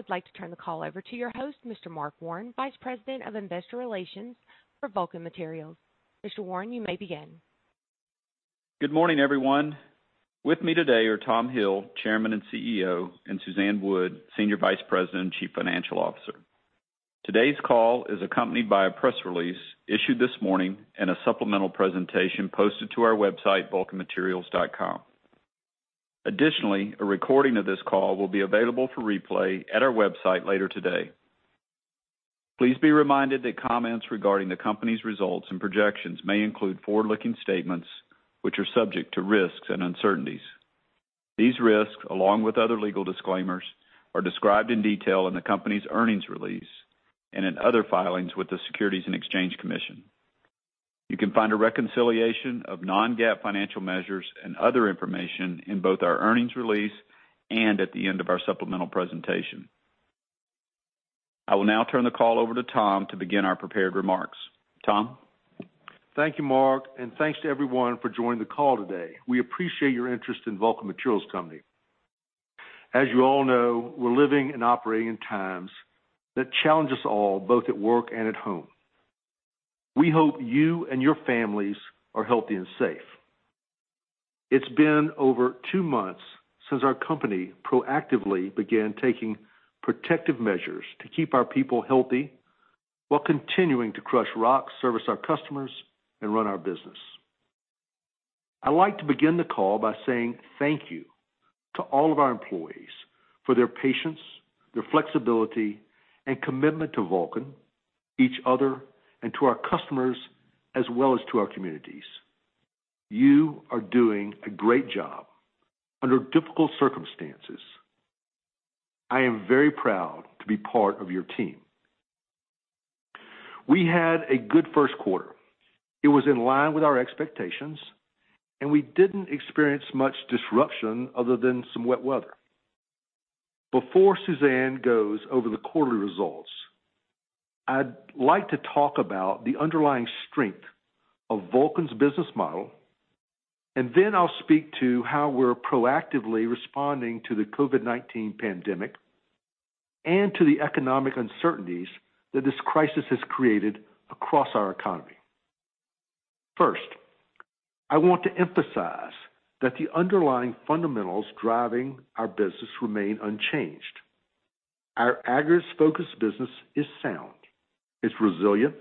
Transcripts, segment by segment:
Now I would like to turn the call over to your host, Mr. Mark Warren, Vice President of Investor Relations for Vulcan Materials. Mr. Warren, you may begin. Good morning, everyone. With me today are Tom Hill, Chairman and CEO, and Suzanne Wood, Senior Vice President and Chief Financial Officer. Today's call is accompanied by a press release issued this morning and a supplemental presentation posted to our website, vulcanmaterials.com. Additionally, a recording of this call will be available for replay at our website later today. Please be reminded that comments regarding the company's results and projections may include forward-looking statements which are subject to risks and uncertainties. These risks, along with other legal disclaimers, are described in detail in the company's earnings release and in other filings with the Securities and Exchange Commission. You can find a reconciliation of non-GAAP financial measures and other information in both our earnings release and at the end of our supplemental presentation. I will now turn the call over to Tom to begin our prepared remarks. Tom? Thank you, Mark, and thanks to everyone for joining the call today. We appreciate your interest in Vulcan Materials Company. As you all know, we're living and operating in times that challenge us all, both at work and at home. We hope you and your families are healthy and safe. It's been over two months since our company proactively began taking protective measures to keep our people healthy while continuing to crush rock, service our customers, and run our business. I'd like to begin the call by saying thank you to all of our employees for their patience, their flexibility, and commitment to Vulcan, each other, and to our customers, as well as to our communities. You are doing a great job under difficult circumstances. I am very proud to be part of your team. We had a good first quarter. It was in line with our expectations, and we didn't experience much disruption other than some wet weather. Before Suzanne goes over the quarterly results, I'd like to talk about the underlying strength of Vulcan's business model, and then I'll speak to how we're proactively responding to the COVID-19 pandemic and to the economic uncertainties that this crisis has created across our economy. First, I want to emphasize that the underlying fundamentals driving our business remain unchanged. Our aggregates-focused business is sound. It's resilient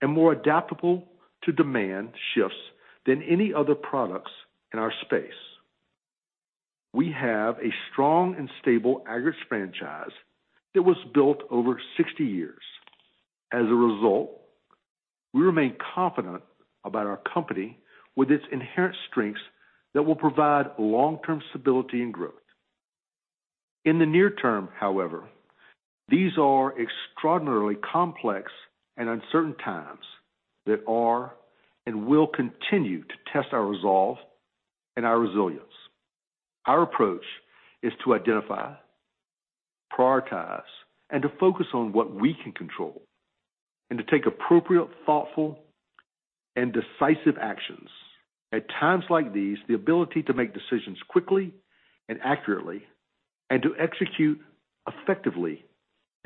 and more adaptable to demand shifts than any other products in our space. We have a strong and stable aggregates franchise that was built over 60 years. As a result, we remain confident about our company with its inherent strengths that will provide long-term stability and growth. In the near term, however, these are extraordinarily complex and uncertain times that are and will continue to test our resolve and our resilience. Our approach is to identify, prioritize, and to focus on what we can control, and to take appropriate, thoughtful, and decisive actions. At times like these, the ability to make decisions quickly and accurately and to execute effectively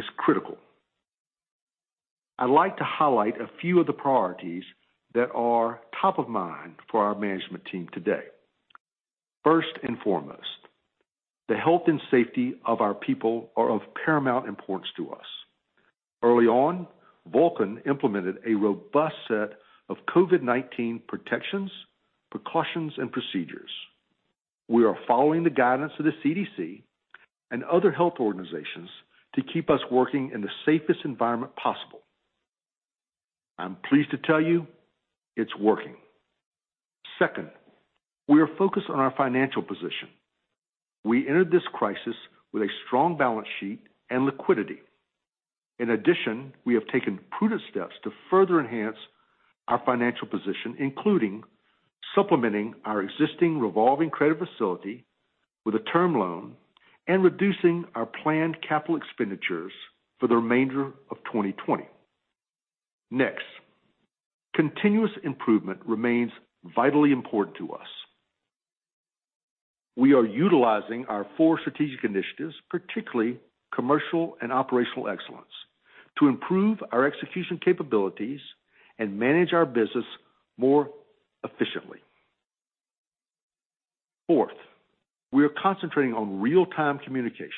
is critical. I'd like to highlight a few of the priorities that are top of mind for our management team today. First and foremost, the health and safety of our people are of paramount importance to us. Early on, Vulcan implemented a robust set of COVID-19 protections, precautions, and procedures. We are following the guidance of the CDC and other health organizations to keep us working in the safest environment possible. I'm pleased to tell you it's working. Second, we are focused on our financial position. We entered this crisis with a strong balance sheet and liquidity. In addition, we have taken prudent steps to further enhance our financial position, including supplementing our existing revolving credit facility with a term loan and reducing our planned capital expenditures for the remainder of 2020. Next, continuous improvement remains vitally important to us. We are utilizing our four strategic initiatives, particularly commercial and operational excellence, to improve our execution capabilities and manage our business more efficiently. Fourth, we are concentrating on real-time communication.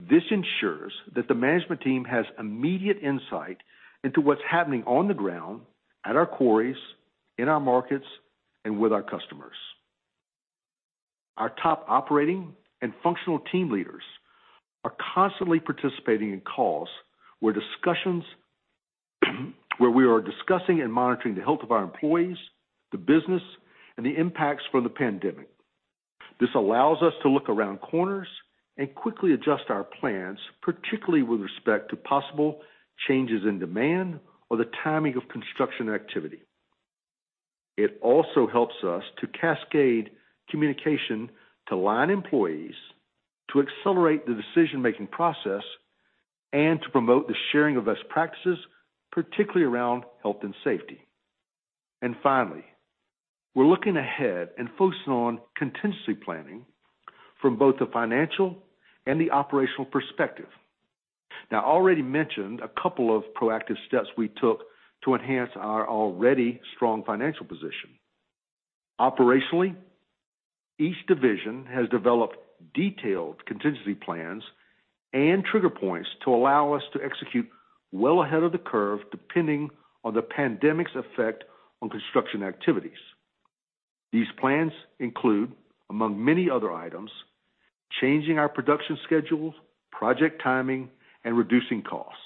This ensures that the management team has immediate insight into what's happening on the ground at our quarries, in our markets, and with our customers. Our top operating and functional team leaders are constantly participating in calls where we are discussing and monitoring the health of our employees, the business, and the impacts from the pandemic. This allows us to look around corners and quickly adjust our plans, particularly with respect to possible changes in demand or the timing of construction activity. It also helps us to cascade communication to line employees to accelerate the decision-making process and to promote the sharing of best practices, particularly around health and safety. Finally, we're looking ahead and focusing on contingency planning from both the financial and the operational perspective. Now, I already mentioned a couple of proactive steps we took to enhance our already strong financial position. Operationally, each division has developed detailed contingency plans and trigger points to allow us to execute well ahead of the curve, depending on the pandemic's effect on construction activities. These plans include, among many other items, changing our production schedules, project timing, and reducing costs.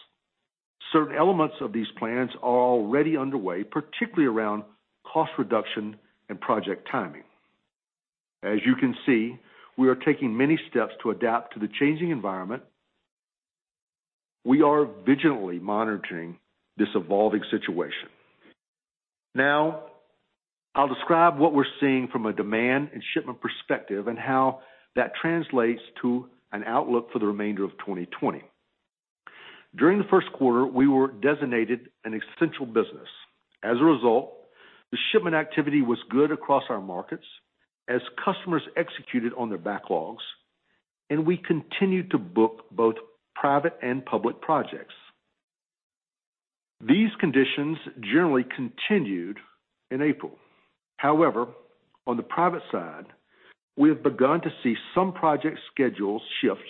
Certain elements of these plans are already underway, particularly around cost reduction and project timing. As you can see, we are taking many steps to adapt to the changing environment. We are vigilantly monitoring this evolving situation. Now, I'll describe what we're seeing from a demand and shipment perspective and how that translates to an outlook for the remainder of 2020. During the first quarter, we were designated an essential business. As a result, the shipment activity was good across our markets as customers executed on their backlogs, and we continued to book both private and public projects. These conditions generally continued in April. However, on the private side, we have begun to see some project schedules shift,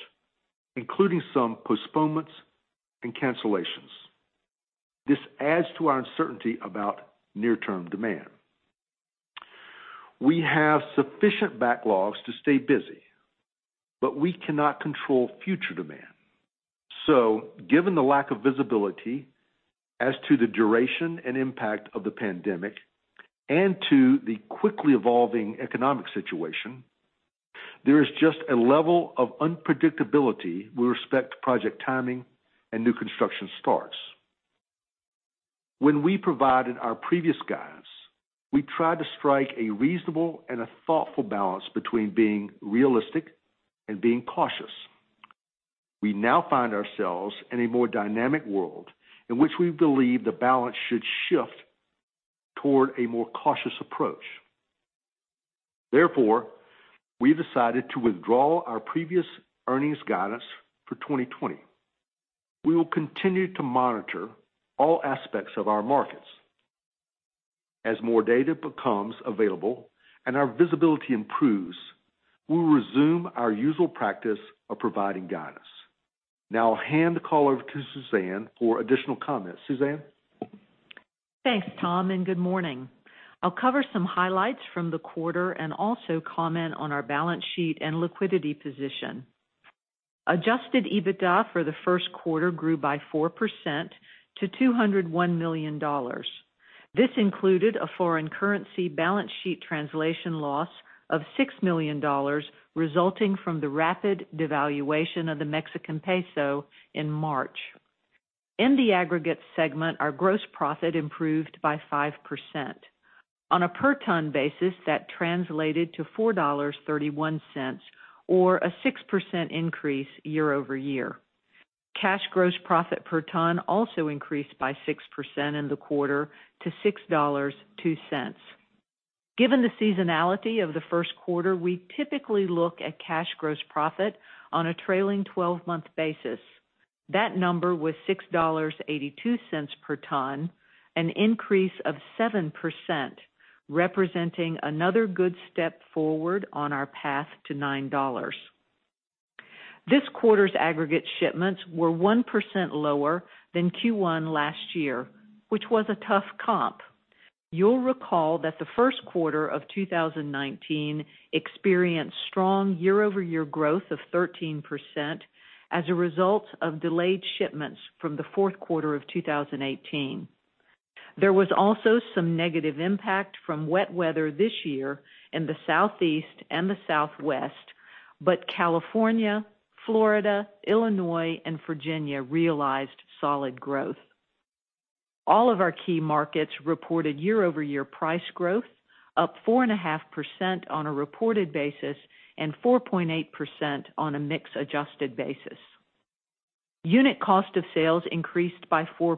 including some postponements and cancellations. This adds to our uncertainty about near-term demand. We have sufficient backlogs to stay busy, but we cannot control future demand. Given the lack of visibility as to the duration and impact of the pandemic and to the quickly evolving economic situation, there is just a level of unpredictability with respect to project timing and new construction starts. When we provided our previous guidance, we tried to strike a reasonable and a thoughtful balance between being realistic and being cautious. We now find ourselves in a more dynamic world in which we believe the balance should shift toward a more cautious approach. Therefore, we've decided to withdraw our previous earnings guidance for 2020. We will continue to monitor all aspects of our markets. As more data becomes available and our visibility improves, we'll resume our usual practice of providing guidance. I'll hand the call over to Suzanne for additional comments. Suzanne? Thanks, Tom, and good morning. I'll cover some highlights from the quarter and also comment on our balance sheet and liquidity position. Adjusted EBITDA for the first quarter grew by 4% to $201 million. This included a foreign currency balance sheet translation loss of $6 million, resulting from the rapid devaluation of the Mexican peso in March. In the aggregate segment, our gross profit improved by 5%. On a per ton basis, that translated to $4.31, or a 6% increase year-over-year. Cash gross profit per ton also increased by 6% in the quarter to $6.02. Given the seasonality of the first quarter, we typically look at cash gross profit on a trailing 12-month basis. That number was $6.82 per ton, an increase of 7%, representing another good step forward on our path to $9. This quarter's aggregate shipments were 1% lower than Q1 last year, which was a tough comp. You'll recall that the first quarter of 2019 experienced strong year-over-year growth of 13% as a result of delayed shipments from the fourth quarter of 2018. There was also some negative impact from wet weather this year in the Southeast and the Southwest, but California, Florida, Illinois, and Virginia realized solid growth. All of our key markets reported year-over-year price growth up 4.5% on a reported basis and 4.8% on a mix adjusted basis. Unit cost of sales increased by 4%.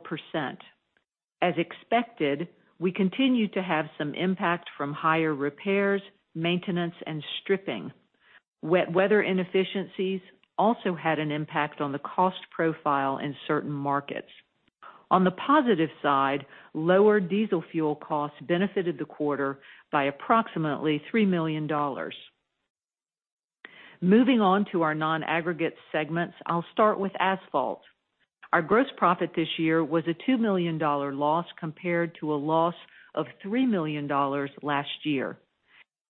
As expected, we continued to have some impact from higher repairs, maintenance, and stripping. Wet weather inefficiencies also had an impact on the cost profile in certain markets. On the positive side, lower diesel fuel costs benefited the quarter by approximately $3 million. Moving on to our non-aggregate segments, I'll start with asphalt. Our gross profit this year was a $2 million loss compared to a loss of $3 million last year.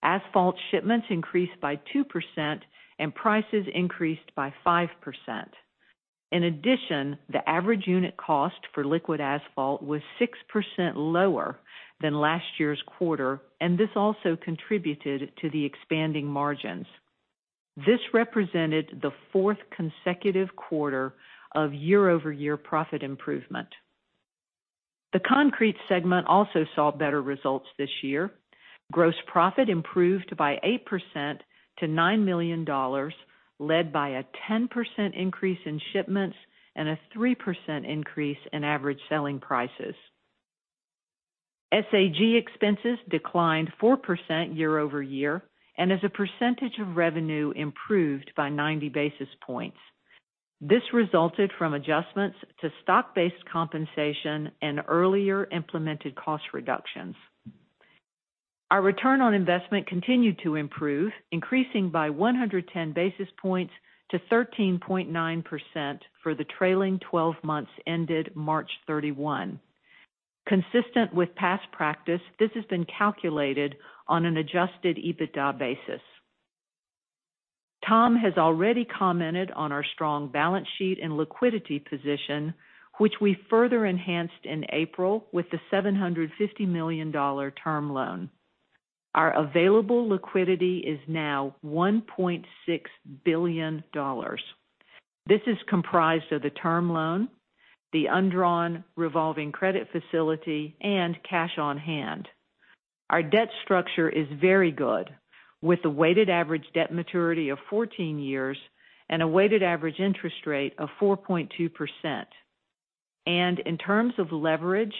Asphalt shipments increased by 2% and prices increased by 5%. In addition, the average unit cost for liquid asphalt was 6% lower than last year's quarter, and this also contributed to the expanding margins. This represented the fourth consecutive quarter of year-over-year profit improvement. The concrete segment also saw better results this year. Gross profit improved by 8% to $9 million, led by a 10% increase in shipments and a 3% increase in average selling prices. SAG expenses declined 4% year-over-year. As a percentage of revenue improved by 90 basis points. This resulted from adjustments to stock-based compensation and earlier implemented cost reductions. Our return on investment continued to improve, increasing by 110 basis points to 13.9% for the trailing 12 months ended March 31. Consistent with past practice, this has been calculated on an adjusted EBITDA basis. Tom has already commented on our strong balance sheet and liquidity position, which we further enhanced in April with the $750 million term loan. Our available liquidity is now $1.6 billion. This is comprised of the term loan, the undrawn revolving credit facility, and cash on hand. Our debt structure is very good, with a weighted average debt maturity of 14 years and a weighted average interest rate of 4.2%. In terms of leverage,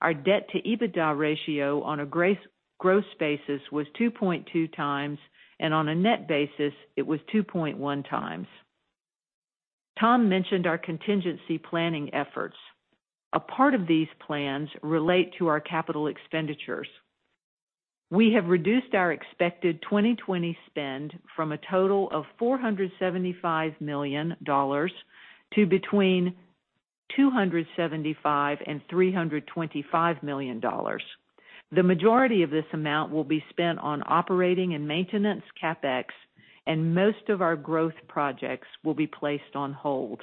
our debt-to-EBITDA ratio on a gross basis was 2.2x, and on a net basis, it was 2.1x. Tom mentioned our contingency planning efforts. A part of these plans relate to our capital expenditures. We have reduced our expected 2020 spend from a total of $475 million to between $275 million and $325 million. The majority of this amount will be spent on operating and maintenance CapEx, and most of our growth projects will be placed on hold.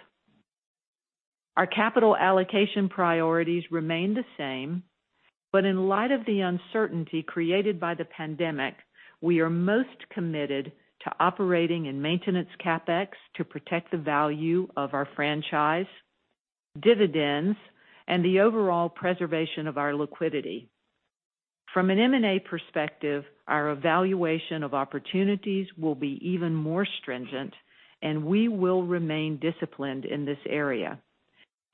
Our capital allocation priorities remain the same, but in light of the uncertainty created by the pandemic, we are most committed to operating and maintenance CapEx to protect the value of our franchise, dividends, and the overall preservation of our liquidity. From an M&A perspective, our evaluation of opportunities will be even more stringent, and we will remain disciplined in this area.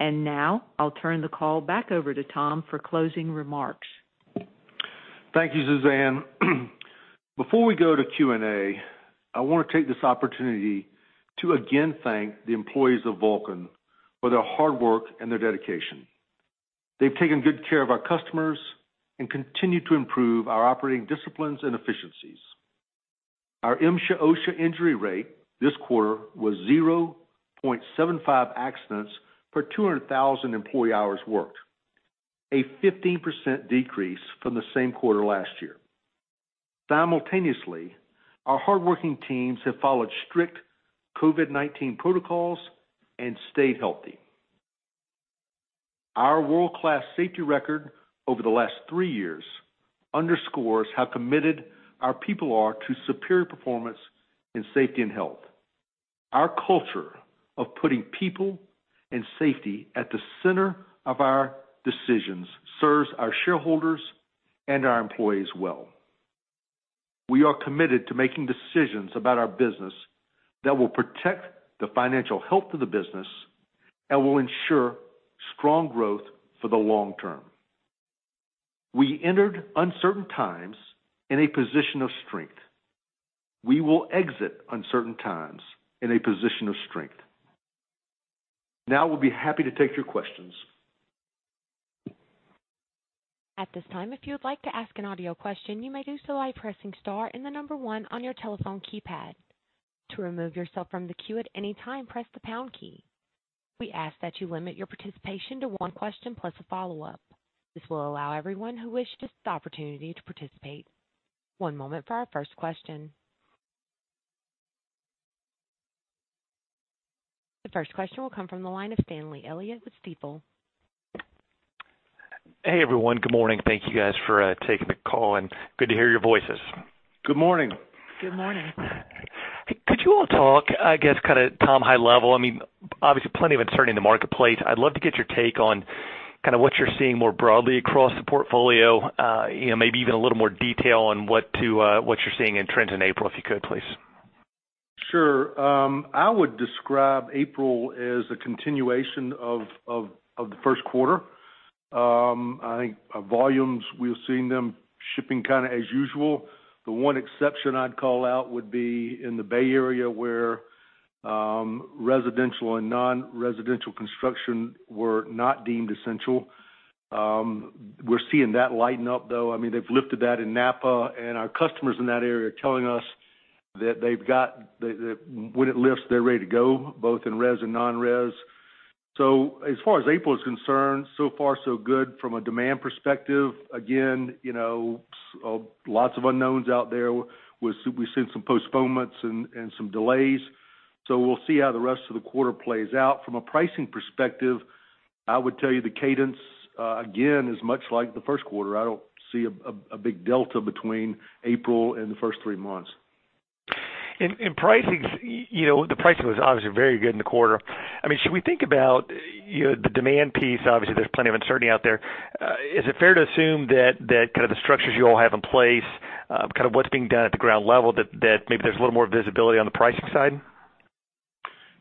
Now I'll turn the call back over to Tom for closing remarks. Thank you, Suzanne. Before we go to Q&A, I want to take this opportunity to again thank the employees of Vulcan for their hard work and their dedication. They've taken good care of our customers and continue to improve our operating disciplines and efficiencies. Our MSHA/OSHA injury rate this quarter was 0.75 accidents per 200,000 employee hours worked, a 15% decrease from the same quarter last year. Simultaneously, our hardworking teams have followed strict COVID-19 protocols and stayed healthy. Our world-class safety record over the last three years underscores how committed our people are to superior performance in safety and health. Our culture of putting people and safety at the center of our decisions serves our shareholders and our employees well. We are committed to making decisions about our business that will protect the financial health of the business and will ensure strong growth for the long term. We entered uncertain times in a position of strength. We will exit uncertain times in a position of strength. We'll be happy to take your questions. At this time, if you would like to ask an audio question, you may do so by pressing star and the number one on your telephone keypad. To remove yourself from the queue at any time, press the pound key. We ask that you limit your participation to one question plus a follow-up. This will allow everyone who wishes this opportunity to participate. One moment for our first question. The first question will come from the line of Stanley Elliott with Stifel. Hey everyone. Good morning. Thank you guys for taking the call, and good to hear your voices. Good morning. Good morning. Could you all talk, I guess, kind of Tom, high level, obviously plenty of uncertainty in the marketplace? I'd love to get your take on what you're seeing more broadly across the portfolio. Maybe even a little more detail on what you're seeing in trends in April, if you could please. Sure. I would describe April as a continuation of the first quarter. I think our volumes, we are seeing them shipping kind of as usual. The one exception I'd call out would be in the Bay Area where residential and non-residential construction were not deemed essential. We're seeing that lighten up, though. They've lifted that in Napa, and our customers in that area are telling us that when it lifts, they're ready to go, both in res and non-res. As far as April is concerned, so far so good from a demand perspective. Again, lots of unknowns out there. We've seen some postponements and some delays. We'll see how the rest of the quarter plays out. From a pricing perspective, I would tell you the cadence, again, is much like the first quarter. I don't see a big delta between April and the first three months. In pricing, the pricing was obviously very good in the quarter. Should we think about the demand piece? Obviously, there's plenty of uncertainty out there. Is it fair to assume that the structures you all have in place, what's being done at the ground level, that maybe there's a little more visibility on the pricing side?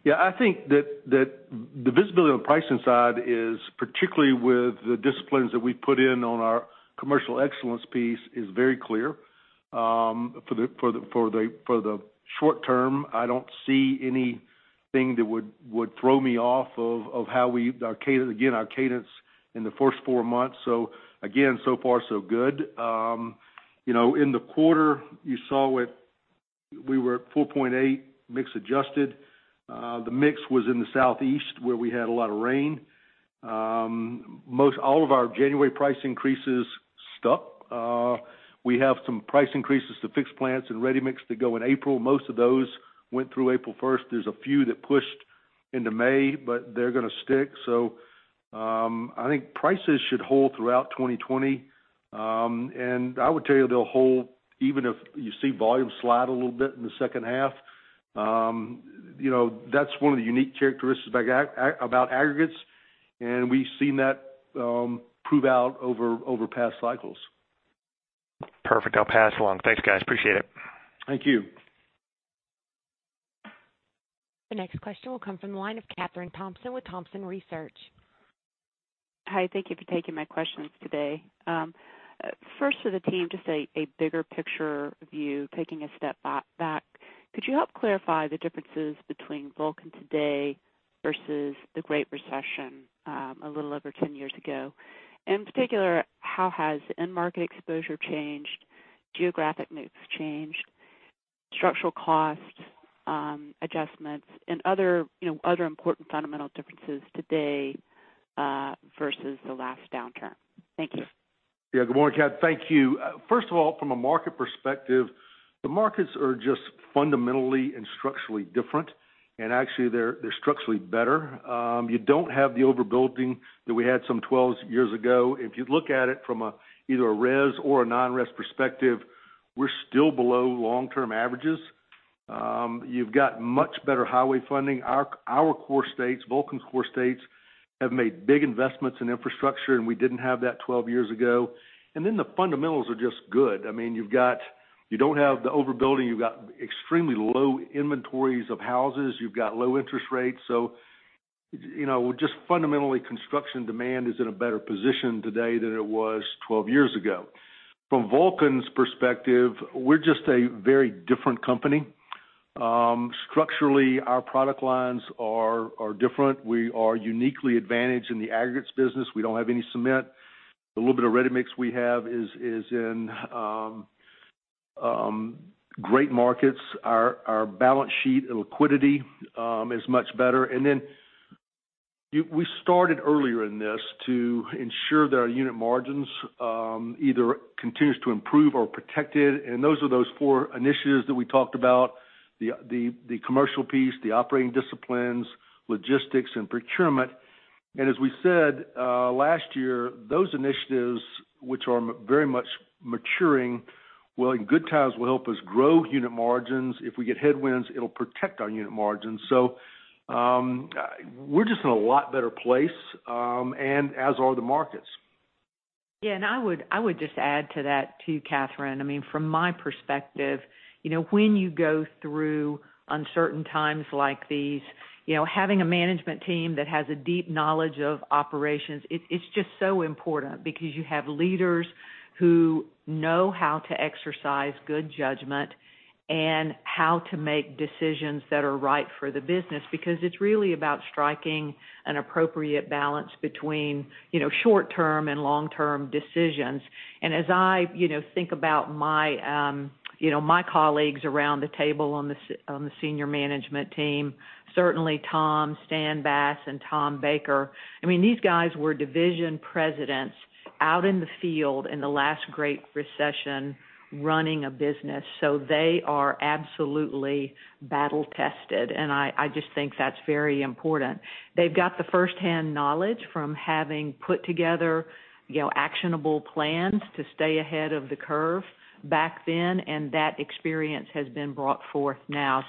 Yeah. I think that the visibility on the pricing side is, particularly with the disciplines that we put in on our commercial excellence piece, is very clear. For the short term, I don't see anything that would throw me off of our cadence in the first four months. Again, so far so good. In the quarter, you saw it, we were at 4.8, mix adjusted. The mix was in the Southeast, where we had a lot of rain. Most all of our January price increases stuck. We have some price increases to fixed plants and ready-mix that go in April. Most of those went through April 1st. There's a few that pushed into May, but they're going to stick. I think prices should hold throughout 2020. I would tell you they'll hold even if you see volume slide a little bit in the second half. That's one of the unique characteristics about aggregates, and we've seen that prove out over past cycles. Perfect. I'll pass along. Thanks, guys. Appreciate it. Thank you. The next question will come from the line of Kathryn Thompson with Thompson Research. Hi, thank you for taking my questions today. First for the team, just a bigger picture view, taking a step back. Could you help clarify the differences between Vulcan today versus the Great Recession a little over 10 years ago? In particular, how has end market exposure changed, geographic mix changed, structural cost adjustments, and other important fundamental differences today versus the last downturn? Thank you. Yeah. Good morning, Kat. Thank you. First of all, from a market perspective, the markets are just fundamentally and structurally different. Actually, they're structurally better. You don't have the overbuilding that we had some 12 years ago. If you look at it from either a res or a non-res perspective, we're still below long-term averages. You've got much better highway funding. Our core states, Vulcan's core states, have made big investments in infrastructure, and we didn't have that 12 years ago. Then the fundamentals are just good. You don't have the overbuilding. You've got extremely low inventories of houses. You've got low interest rates. Just fundamentally, construction demand is in a better position today than it was 12 years ago. From Vulcan's perspective, we're just a very different company. Structurally, our product lines are different. We are uniquely advantaged in the aggregates business. We don't have any cement. The little bit of ready-mix we have is in great markets. Our balance sheet and liquidity is much better. We started earlier in this to ensure that our unit margins either continues to improve or protect it. Those are those four initiatives that we talked about, the commercial piece, the operating disciplines, logistics, and procurement. As we said last year, those initiatives, which are very much maturing, in good times, will help us grow unit margins. If we get headwinds, it'll protect our unit margins. We're just in a lot better place, and as are the markets. Yeah, I would just add to that too, Kathryn. From my perspective, when you go through uncertain times like these, having a management team that has a deep knowledge of operations, it's just so important because you have leaders who know how to exercise good judgment and how to make decisions that are right for the business, because it's really about striking an appropriate balance between short-term and long-term decisions. As I think about my colleagues around the table on the senior management team, certainly Tom, Stan Bass, and Tom Baker, these guys were division presidents out in the field in the last great recession running a business. They are absolutely battle tested, and I just think that's very important. They've got the first-hand knowledge from having put together actionable plans to stay ahead of the curve back then, and that experience has been brought forth now.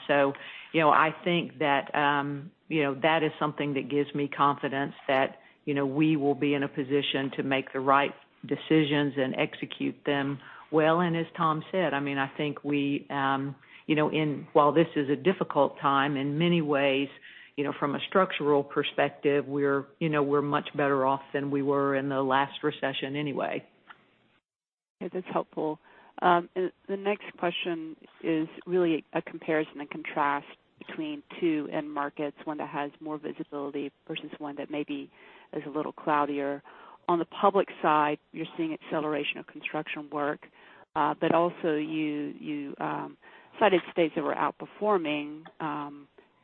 I think that is something that gives me confidence that we will be in a position to make the right decisions and execute them well. As Tom said, I think while this is a difficult time in many ways, from a structural perspective, we're much better off than we were in the last recession anyway. That's helpful. The next question is really a comparison, a contrast between two end markets, one that has more visibility versus one that maybe is a little cloudier. Also you cited states that were outperforming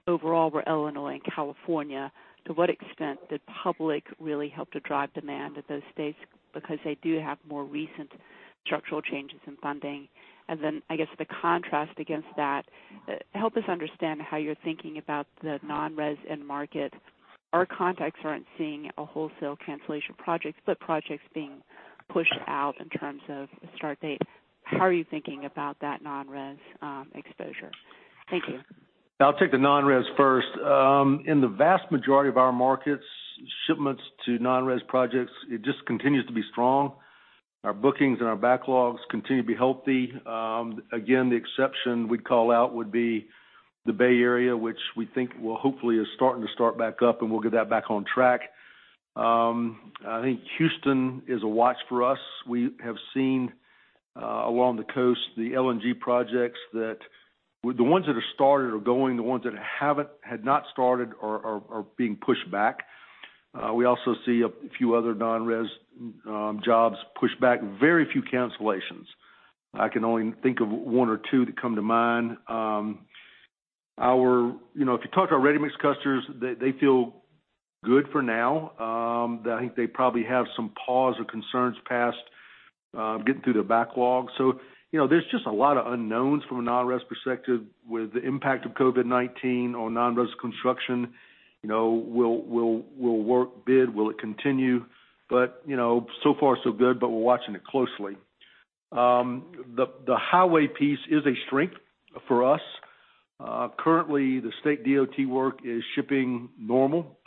overall were Illinois and California. To what extent did public really help to drive demand at those states because they do have more recent structural changes in funding? Then, I guess the contrast against that, help us understand how you're thinking about the non-res end markets. Our contacts aren't seeing a wholesale cancellation of projects, but projects being pushed out in terms of start date. How are you thinking about that non-res exposure? Thank you. I'll take the non-res first. In the vast majority of our markets, shipments to non-res projects, it just continues to be strong. Our bookings and our backlogs continue to be healthy. Again, the exception we'd call out would be the Bay Area, which we think will hopefully start back up, and we'll get that back on track. I think Houston is a watch for us. We have seen, along the coast, the LNG projects, the ones that are started are going, the ones that had not started are being pushed back. We also see a few other non-res jobs pushed back. Very few cancellations. I can only think of one or two that come to mind. If you talk to our ready-mix customers, they feel good for now. I think they probably have some pause or concerns past getting through the backlog. There's just a lot of unknowns from a non-res perspective with the impact of COVID-19 on non-res construction. Will work bid, will it continue? So far so good, but we're watching it closely. The highway piece is a strength for us. Currently, the state DOT work is shipping normal.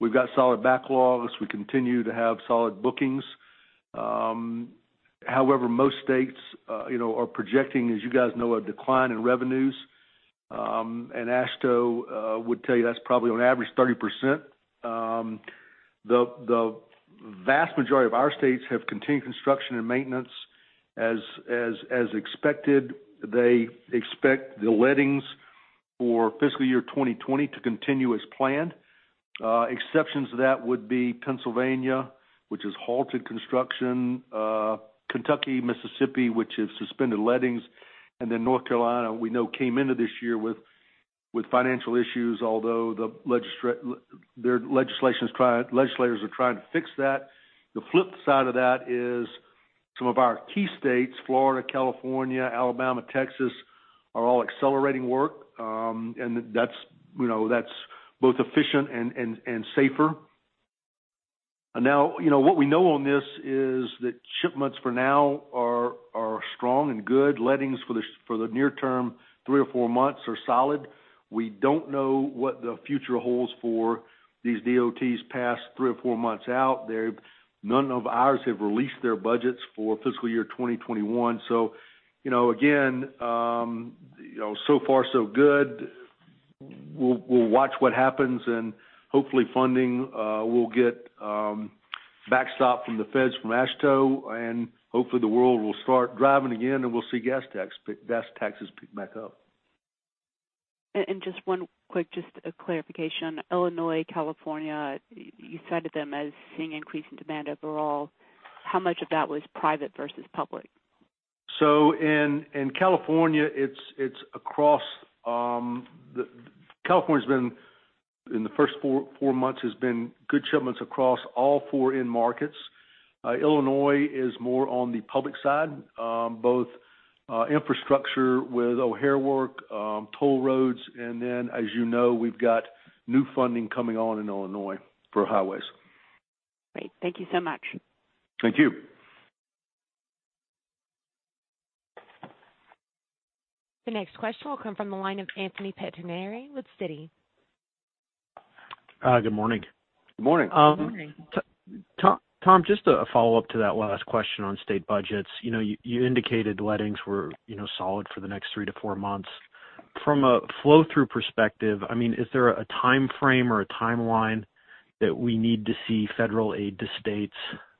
We've got solid backlogs. We continue to have solid bookings. However, most states are projecting, as you guys know, a decline in revenues. AASHTO would tell you that's probably on average 30%. The vast majority of our states have continued construction and maintenance as expected. They expect the lettings for fiscal year 2020 to continue as planned. Exceptions to that would be Pennsylvania, which has halted construction. Kentucky, Mississippi, which have suspended lettings, and then North Carolina, we know came into this year with financial issues, although their legislators are trying to fix that. The flip side of that is some of our key states, Florida, California, Alabama, Texas, are all accelerating work. That's both efficient and safer. Now, what we know on this is that shipments for now are strong and good. Lettings for the near term, three or four months, are solid. We don't know what the future holds for these DOTs past three or four months out. None of ours have released their budgets for fiscal year 2021. Again, so far so good. We'll watch what happens and hopefully funding will get backstop from the feds from AASHTO, and hopefully the world will start driving again, and we'll see gas taxes pick back up. Just one quick clarification. Illinois, California, you cited them as seeing increasing demand overall. How much of that was private versus public? In California, in the first four months, has been good shipments across all four end markets. Illinois is more on the public side, both infrastructure with O'Hare work, toll roads, and then as you know, we've got new funding coming on in Illinois for highways. Great. Thank you so much. Thank you. The next question will come from the line of Anthony Pettinari with Citi. Good morning. Morning. Good morning. Tom, just a follow-up to that last question on state budgets. You indicated lettings were solid for the next three to four months. From a flow-through perspective, is there a timeframe or a timeline that we need to see federal aid to states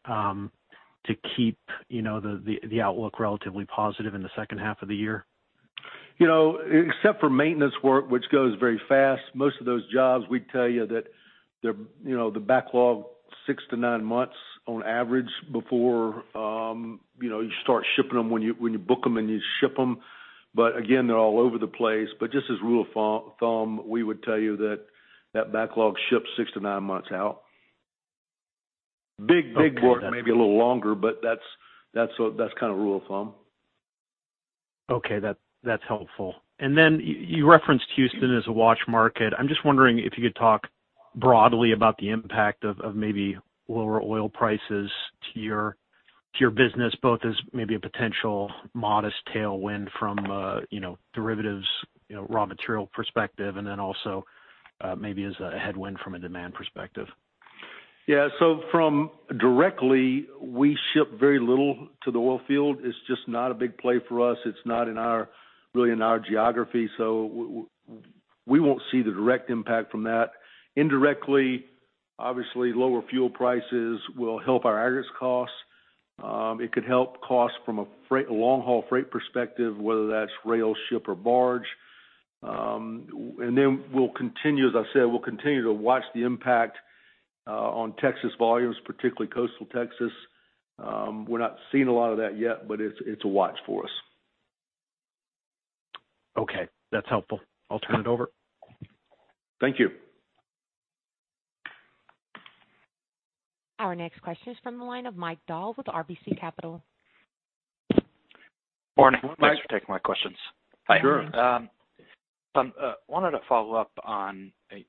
to keep the outlook relatively positive in the second half of the year? Except for maintenance work, which goes very fast, most of those jobs, we tell you that the backlog six to nine months on average before you start shipping them, when you book them and you ship them. Again, they're all over the place. Just as rule of thumb, we would tell you that that backlog ships six to nine months out. Big work, maybe a little longer, but that's kind of rule of thumb. Okay. That's helpful. You referenced Houston as a watch market. I'm just wondering if you could talk broadly about the impact of maybe lower oil prices to your business, both as maybe a potential modest tailwind from a derivatives raw material perspective, also maybe as a headwind from a demand perspective. Yeah. Directly, we ship very little to the oil field. It's just not a big play for us. It's not really in our geography, we won't see the direct impact from that. Indirectly, obviously, lower fuel prices will help our aggregates costs. It could help costs from a long-haul freight perspective, whether that's rail, ship, or barge. As I said, we'll continue to watch the impact on Texas volumes, particularly coastal Texas. We're not seeing a lot of that yet, but it's a watch for us. Okay. That's helpful. I'll turn it over. Thank you. Our next question is from the line of Mike Dahl with RBC Capital. Morning. Morning. Thanks for taking my questions. Sure. I wanted to follow up on the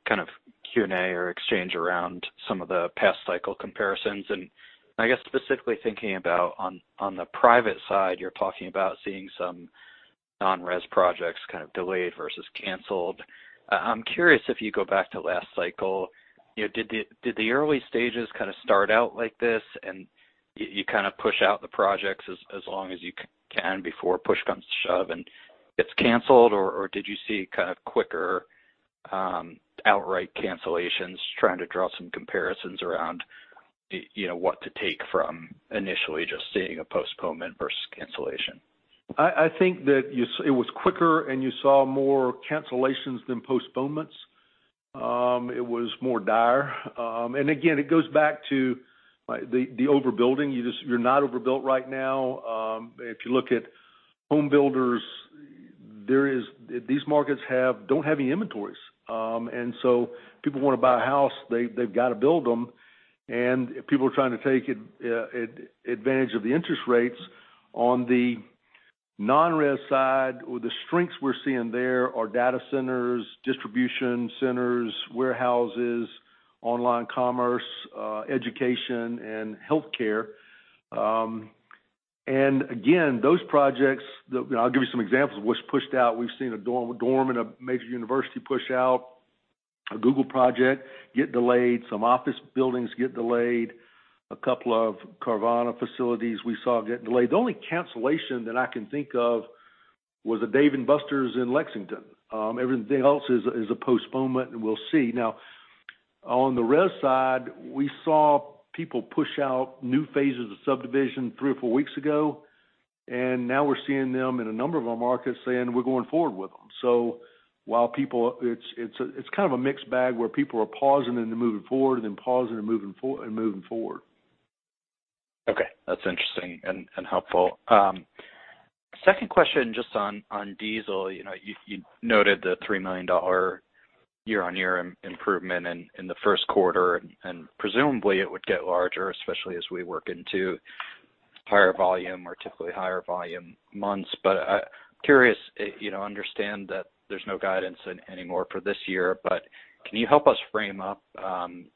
Q&A or exchange around some of the past cycle comparisons, and I guess specifically thinking about on the private side, you're talking about seeing some non-res projects kind of delayed versus canceled. I'm curious if you go back to last cycle, did the early stages kind of start out like this, and you kind of push out the projects as long as you can before push comes to shove and gets canceled? Or did you see kind of quicker outright cancellations? Trying to draw some comparisons around what to take from initially just seeing a postponement versus cancellation. I think that it was quicker, you saw more cancellations than postponements. It was more dire. Again, it goes back to the overbuilding. You're not overbuilt right now. If you look at home builders, these markets don't have any inventories. So people want to buy a house, they've got to build them. People are trying to take advantage of the interest rates. On the non-res side, the strengths we're seeing there are data centers, distribution centers, warehouses, online commerce, education, and healthcare. Again, those projects, I'll give you some examples of what's pushed out. We've seen a dorm in a major university push out, a Google project get delayed, some office buildings get delayed, a couple of Carvana facilities we saw get delayed. The only cancellation that I can think of was a Dave & Buster's in Lexington. Everything else is a postponement, and we'll see. Now, on the res side, we saw people push out new phases of subdivision three or four weeks ago. Now we're seeing them in a number of our markets saying we're going forward with them. It's kind of a mixed bag where people are pausing, and then moving forward, and then pausing, and moving forward. Okay. That's interesting and helpful. Second question, just on diesel. You noted the $3 million year-on-year improvement in the first quarter, and presumably it would get larger, especially as we work into higher volume or typically higher volume months. I'm curious, I understand that there's no guidance anymore for this year, but can you help us frame up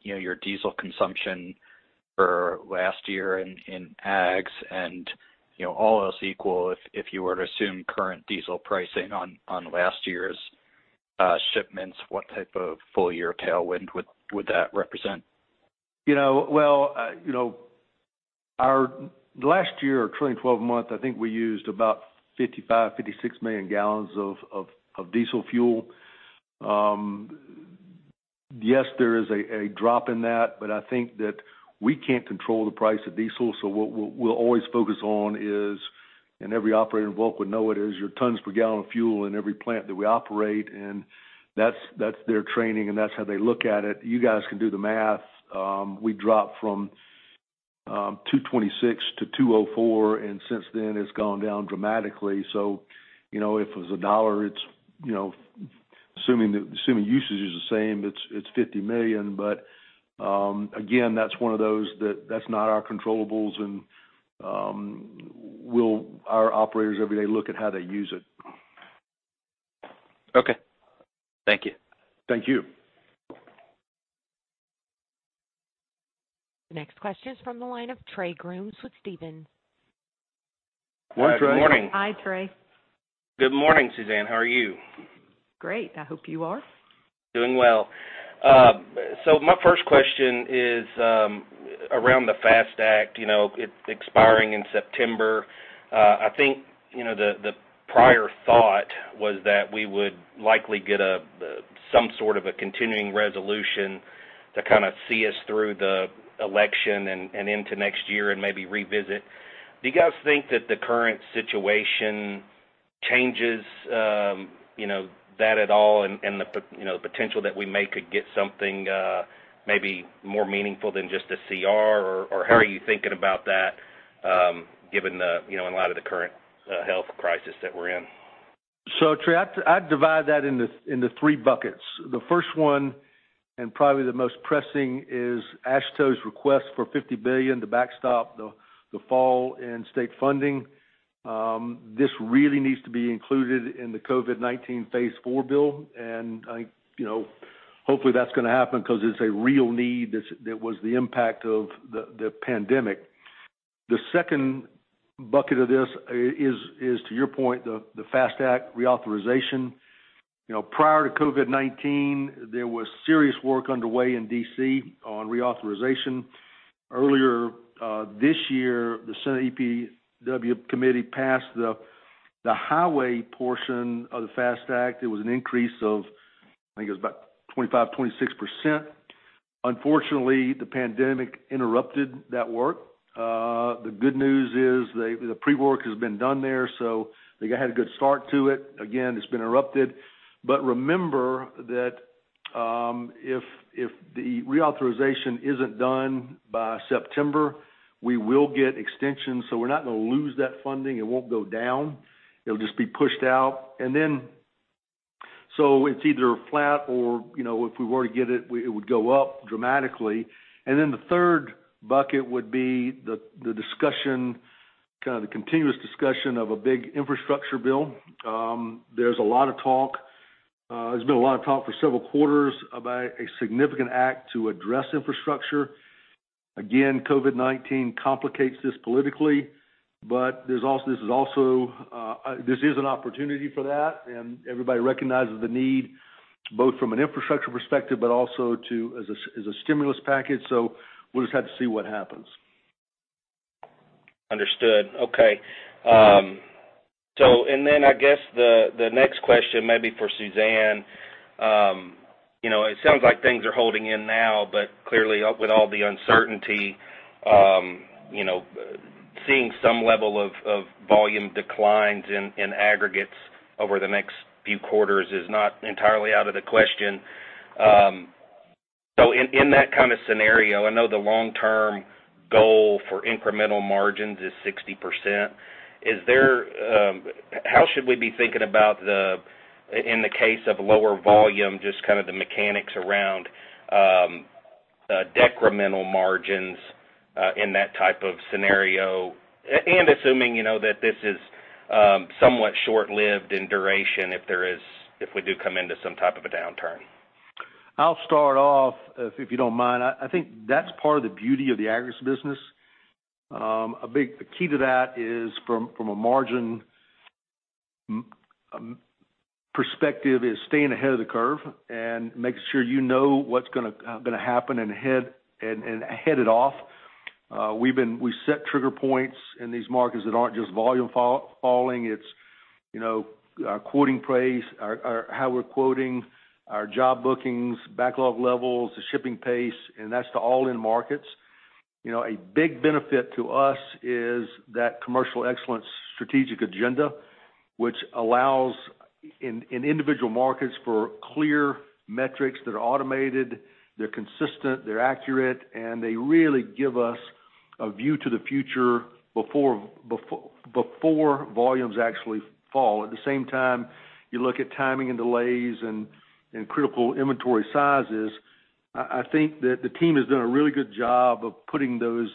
your diesel consumption for last year in ags and all else equal, if you were to assume current diesel pricing on last year's shipments, what type of full-year tailwind would that represent? Well, last year or trailing 12 months, I think we used about 55, 56 million gallons of diesel fuel. Yes, there is a drop in that, but I think that we can't control the price of diesel, so what we'll always focus on is, and every operator involved would know it, is your tons per gallon of fuel in every plant that we operate, and that's their training, and that's how they look at it. You guys can do the math. We dropped from 226 to 204, and since then it's gone down dramatically. If it was $1, assuming usage is the same, it's $50 million, but again, that's one of those that's not our controllables, and our operators every day look at how they use it. Okay. Thank you. Thank you. Next question is from the line of Trey Grooms with Stephens. Hi, Trey. Morning. Hi, Trey. Good morning, Suzanne. How are you? Great. I hope you are. Doing well. My first question is around the FAST Act. It's expiring in September. I think the prior thought was that we would likely get some sort of a continuing resolution to kind of see us through the election and into next year and maybe revisit. Do you guys think that the current situation changes that at all, and the potential that we may could get something maybe more meaningful than just a CR? How are you thinking about that given a lot of the current health crisis that we're in? Trey, I'd divide that into three buckets. The first one, and probably the most pressing, is AASHTO's request for $50 billion to backstop the fall in state funding. This really needs to be included in the COVID-19 phase four bill, and hopefully that's going to happen because it's a real need that was the impact of the pandemic. The second bucket of this is, to your point, the FAST Act reauthorization. Prior to COVID-19, there was serious work underway in D.C. on reauthorization. Earlier this year, the Senate EPW committee passed the highway portion of the FAST Act. It was an increase of, I think it was about 25%-26%. Unfortunately, the pandemic interrupted that work. The good news is the pre-work has been done there, so I think I had a good start to it. Again, it's been interrupted. Remember that if the reauthorization isn't done by September, we will get extensions. We're not going to lose that funding. It won't go down. It'll just be pushed out. It's either flat or, if we were to get it would go up dramatically. The third bucket would be the continuous discussion of a big infrastructure bill. There's been a lot of talk for several quarters about a significant act to address infrastructure. COVID-19 complicates this politically, but this is an opportunity for that, and everybody recognizes the need, both from an infrastructure perspective, but also as a stimulus package. We'll just have to see what happens. Understood. Okay. I guess the next question may be for Suzanne. It sounds like things are holding in now, but clearly with all the uncertainty, seeing some level of volume declines in aggregates over the next few quarters is not entirely out of the question. In that kind of scenario, I know the long-term goal for incremental margins is 60%. How should we be thinking about the, in the case of lower volume, just kind of the mechanics around decremental margins, in that type of scenario? Assuming that this is somewhat short-lived in duration, if we do come into some type of a downturn. I'll start off, if you don't mind. I think that's part of the beauty of the aggregates business. A big key to that is, from a margin perspective, is staying ahead of the curve and making sure you know what's going to happen and head it off. We set trigger points in these markets that aren't just volume falling. It's our quoting price, our job bookings, backlog levels, the shipping pace, and that's to all end markets. A big benefit to us is that Commercial Excellence Strategic Agenda, which allows in individual markets for clear metrics that are automated, they're consistent, they're accurate, and they really give us a view to the future before volumes actually fall. At the same time, you look at timing and delays and critical inventory sizes. I think that the team has done a really good job of putting those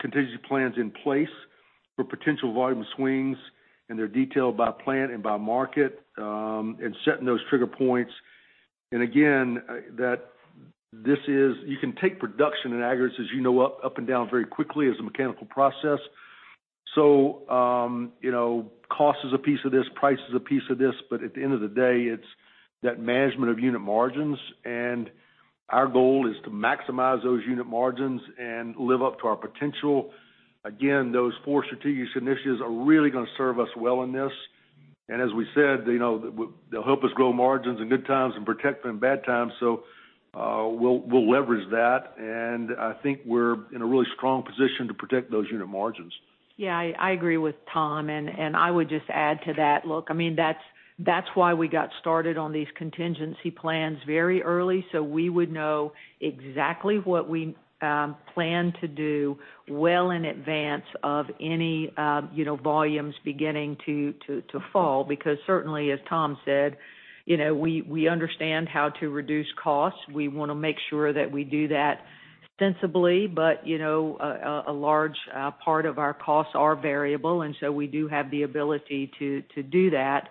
contingency plans in place for potential volume swings, and they're detailed by plant and by market, and setting those trigger points. Again, you can take production and aggregates, as you know, up and down very quickly as a mechanical process. Cost is a piece of this, price is a piece of this, but at the end of the day, it's that management of unit margins, and our goal is to maximize those unit margins and live up to our potential. Again, those four strategic initiatives are really going to serve us well in this. As we said, they'll help us grow margins in good times and protect them in bad times. We'll leverage that, and I think we're in a really strong position to protect those unit margins. Yeah, I agree with Tom. I would just add to that. Look, that's why we got started on these contingency plans very early. We would know exactly what we plan to do well in advance of any volumes beginning to fall. Certainly, as Tom said, we understand how to reduce costs. We want to make sure that we do that sensibly. A large part of our costs are variable. We do have the ability to do that.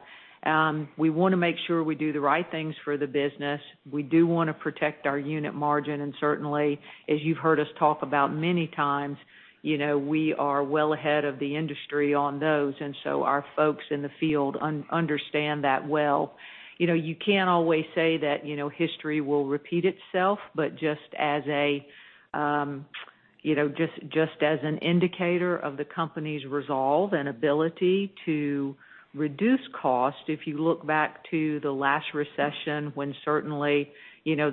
We want to make sure we do the right things for the business. We do want to protect our unit margin. Certainly, as you've heard us talk about many times, we are well ahead of the industry on those. Our folks in the field understand that well. You can't always say that history will repeat itself, but just as an indicator of the company's resolve and ability to reduce cost, if you look back to the last recession, when certainly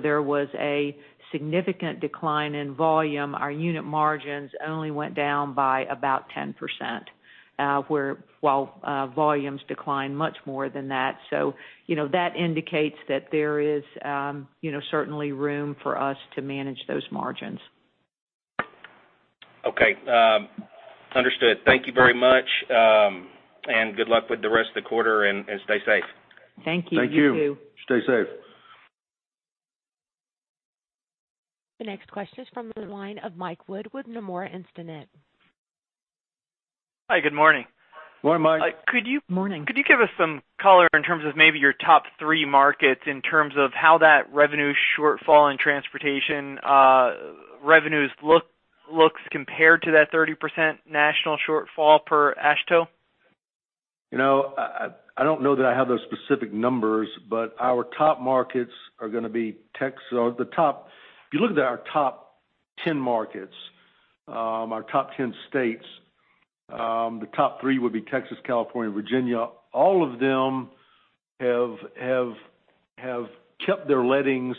there was a significant decline in volume, our unit margins only went down by about 10%, while volumes declined much more than that. That indicates that there is certainly room for us to manage those margins. Okay. Understood. Thank you very much, and good luck with the rest of the quarter, and stay safe. Thank you. You, too. Thank you. Stay safe. The next question is from the line of Mike Wood with Nomura Instinet. Hi, good morning. Good morning, Mike. Morning. Could you give us some color in terms of maybe your top three markets, in terms of how that revenue shortfall in transportation revenues looks compared to that 30% national shortfall per AASHTO? I don't know that I have those specific numbers. If you look at our top 10 markets, our top 10 states, the top three would be Texas, California, Virginia. All of them have kept their lettings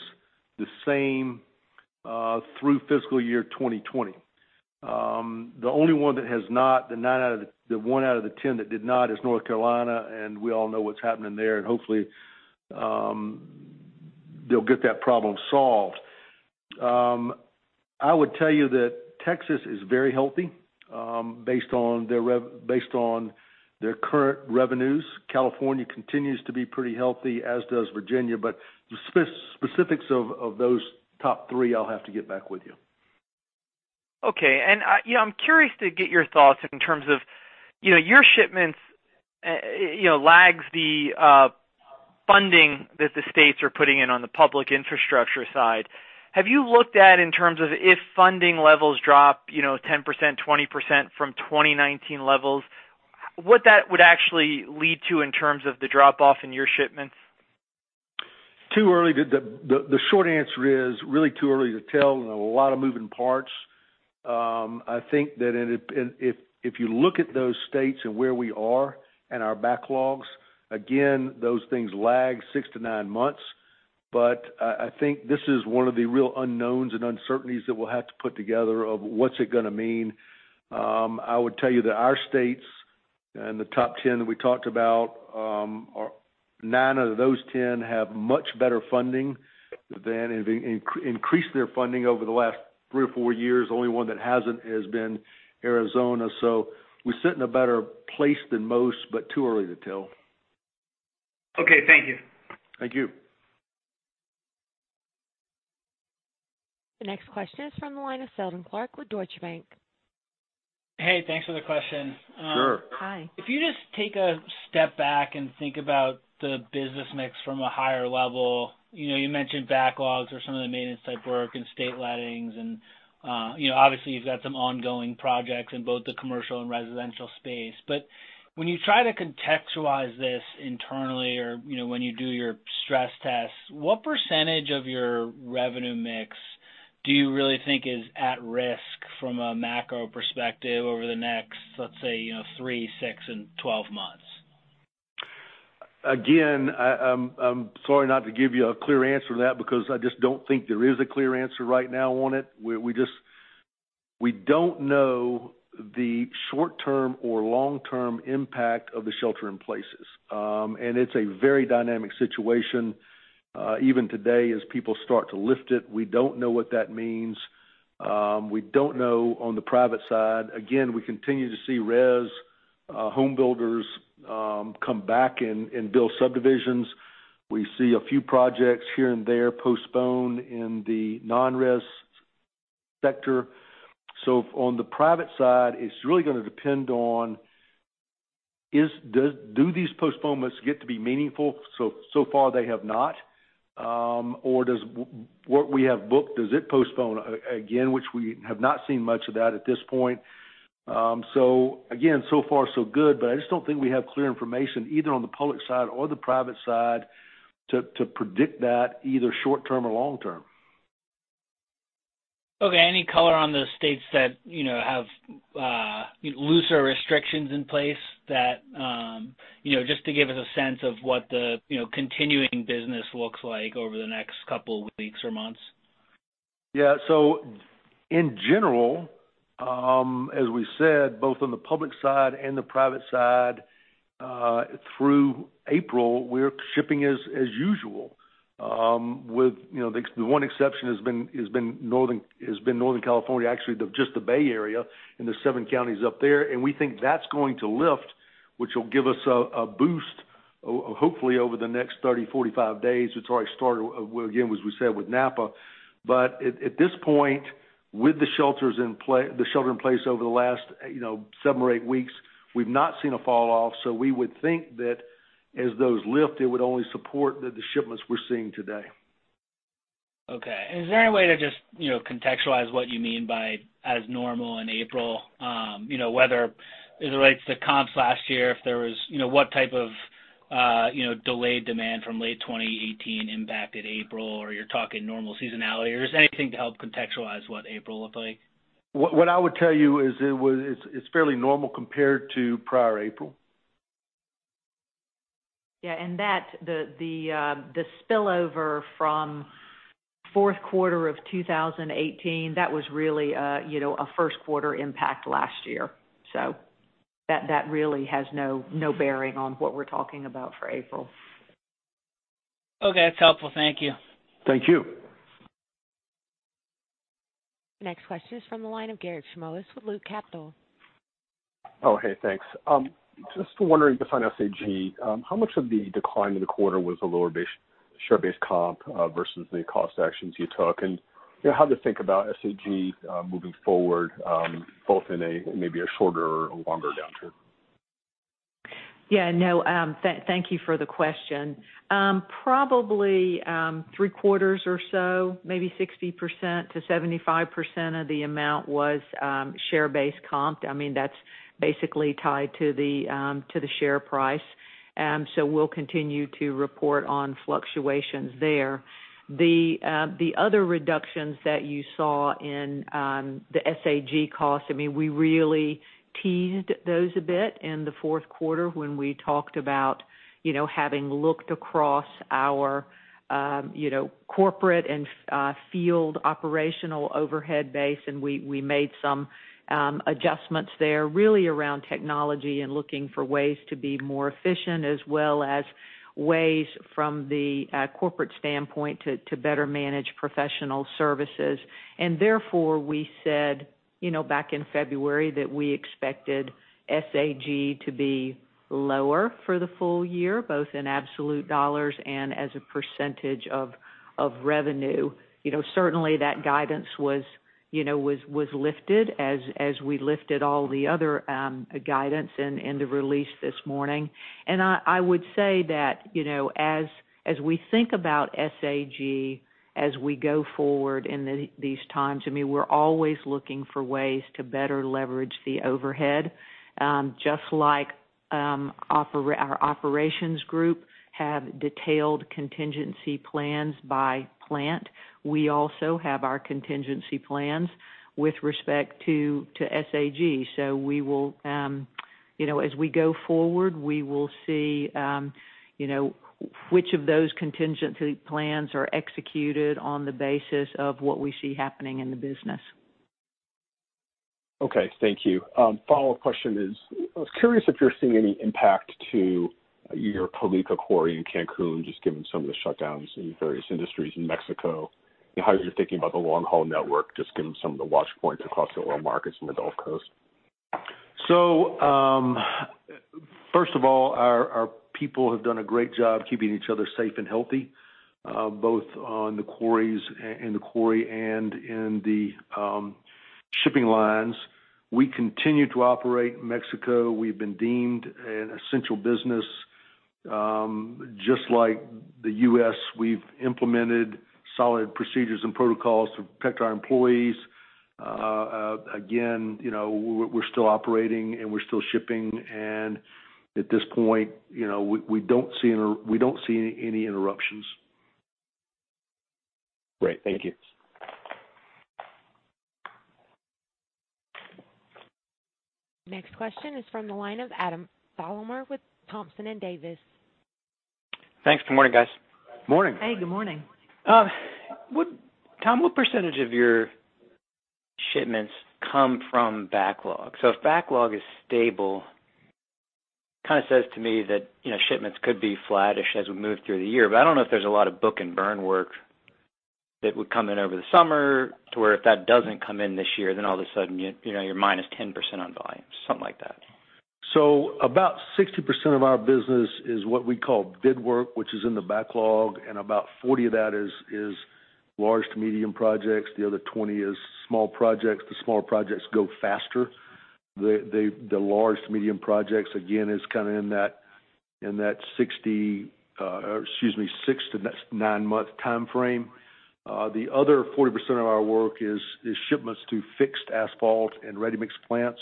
the same through fiscal year 2020. The only one that has not, the one out of the 10 that did not is North Carolina, and we all know what's happening there, and hopefully. They'll get that problem solved. I would tell you that Texas is very healthy based on their current revenues. California continues to be pretty healthy, as does Virginia. The specifics of those top three, I'll have to get back with you. Okay. I'm curious to get your thoughts in terms of your shipments lag the funding that the states are putting in on the public infrastructure side. Have you looked at in terms of if funding levels drop 10%, 20% from 2019 levels, what that would actually lead to in terms of the drop off in your shipments? Too early. The short answer is really too early to tell. A lot of moving parts. I think that if you look at those states and where we are and our backlogs, again, those things lag six to nine months. I think this is one of the real unknowns and uncertainties that we'll have to put together of what's it going to mean. I would tell you that our states and the top 10 that we talked about, nine out of those 10 have much better funding. They increased their funding over the last three or four years. The only one that hasn't has been Arizona. We sit in a better place than most, but too early to tell. Okay, thank you. Thank you. The next question is from the line of Seldon Clarke with Deutsche Bank. Hey, thanks for the question. Sure. Hi. If you just take a step back and think about the business mix from a higher level. You mentioned backlogs or some of the maintenance type work and state lettings, and obviously, you've got some ongoing projects in both the commercial and residential space. When you try to contextualize this internally or when you do your stress tests, what percentage of your revenue mix do you really think is at risk from a macro perspective over the next, let's say, three, six and 12 months? Again, I'm sorry not to give you a clear answer to that, because I just don't think there is a clear answer right now on it. It's a very dynamic situation. Even today as people start to lift it, we don't know what that means. We don't know on the private side. Again, we continue to see res home builders come back and build subdivisions. We see a few projects here and there postponed in the non-res sector. On the private side, it's really going to depend on, do these postponements get to be meaningful? So far they have not. What we have booked, does it postpone again? Which we have not seen much of that at this point. Again, so far so good, but I just don't think we have clear information either on the public side or the private side to predict that either short-term or long-term. Okay. Any color on the states that have looser restrictions in place just to give us a sense of what the continuing business looks like over the next couple of weeks or months? In general, as we said, both on the public side and the private side, through April, we're shipping as usual. The one exception has been Northern California, actually, just the Bay Area and the seven counties up there. We think that's going to lift, which will give us a boost, hopefully over the next 30, 45 days. It's already started, again, as we said with Napa. At this point, with the shelter-in-place over the last seven or eight weeks, we've not seen a fall off. We would think that as those lift, it would only support the shipments we're seeing today. Okay. Is there any way to just contextualize what you mean by as normal in April? Whether it relates to comps last year, what type of delayed demand from late 2018 impacted April, or you're talking normal seasonality, or is there anything to help contextualize what April looked like? What I would tell you is it's fairly normal compared to prior April. The spillover from fourth quarter of 2018, that was really a first quarter impact last year. That really has no bearing on what we're talking about for April. Okay. That's helpful. Thank you. Thank you. Next question is from the line of Garik Shmois with Loop Capital Markets. Oh, hey, thanks. Just wondering, just on SAG, how much of the decline in the quarter was a lower share-based comp versus the cost actions you took? How to think about SAG moving forward both in maybe a shorter or longer downturn? Thank you for the question. Probably three quarters or so, maybe 60%-75% of the amount was share-based comp. That's basically tied to the share price. We'll continue to report on fluctuations there. The other reductions that you saw in the SAG cost, we really teased those a bit in the fourth quarter when we talked about having looked across our corporate and field operational overhead base, and we made some adjustments there really around technology and looking for ways to be more efficient as well as ways from the corporate standpoint to better manage professional services. Therefore, we said back in February that we expected SAG to be lower for the full year, both in absolute dollars and as a percentage of revenue. Certainly, that guidance was lifted as we lifted all the other guidance in the release this morning. I would say that, as we think about SAG, as we go forward in these times, we're always looking for ways to better leverage the overhead. Just like our operations group have detailed contingency plans by plant, we also have our contingency plans with respect to SAG. As we go forward, we will see which of those contingency plans are executed on the basis of what we see happening in the business. Okay. Thank you. Follow-up question is, I was curious if you're seeing any impact to your Calica quarry in Cancun, just given some of the shutdowns in various industries in Mexico, and how you're thinking about the long-haul network, just given some of the wash points across the oil markets in the Gulf Coast. First of all, our people have done a great job keeping each other safe and healthy, both in the quarry and in the shipping lines. We continue to operate in Mexico. We've been deemed an essential business. Just like the U.S., we've implemented solid procedures and protocols to protect our employees. Again, we're still operating, and we're still shipping, and at this point, we don't see any interruptions. Great. Thank you. Next question is from the line of Adam Thalhimer with Thompson Davis. Thanks. Good morning, guys. Morning. Hey, good morning. Tom, what percentage of your shipments come from backlog? If backlog is stable, kind of says to me that shipments could be flattish as we move through the year. I don't know if there's a lot of book and burn work that would come in over the summer to where if that doesn't come in this year, then all of a sudden, you're -10% on volume, something like that. About 60% of our business is what we call bid work, which is in the backlog, and about 40% of that is large to medium projects. The other 20% is small projects. The smaller projects go faster. The large to medium projects, again, is kind of in that six to nine month timeframe. The other 40% of our work is shipments to fixed asphalt and ready-mix plants.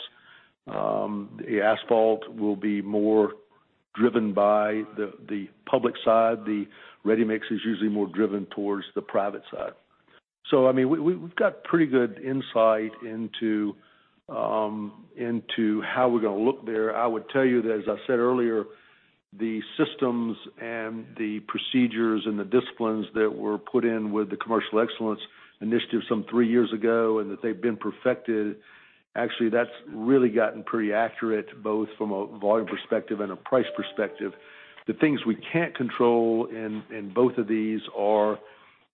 The asphalt will be more driven by the public side. The ready-mix is usually more driven towards the private side. We've got pretty good insight into how we're going to look there. I would tell you that, as I said earlier, the systems and the procedures and the disciplines that were put in with the Commercial Excellence Initiative some three years ago, and that they've been perfected, actually, that's really gotten pretty accurate, both from a volume perspective and a price perspective. The things we can't control in both of these are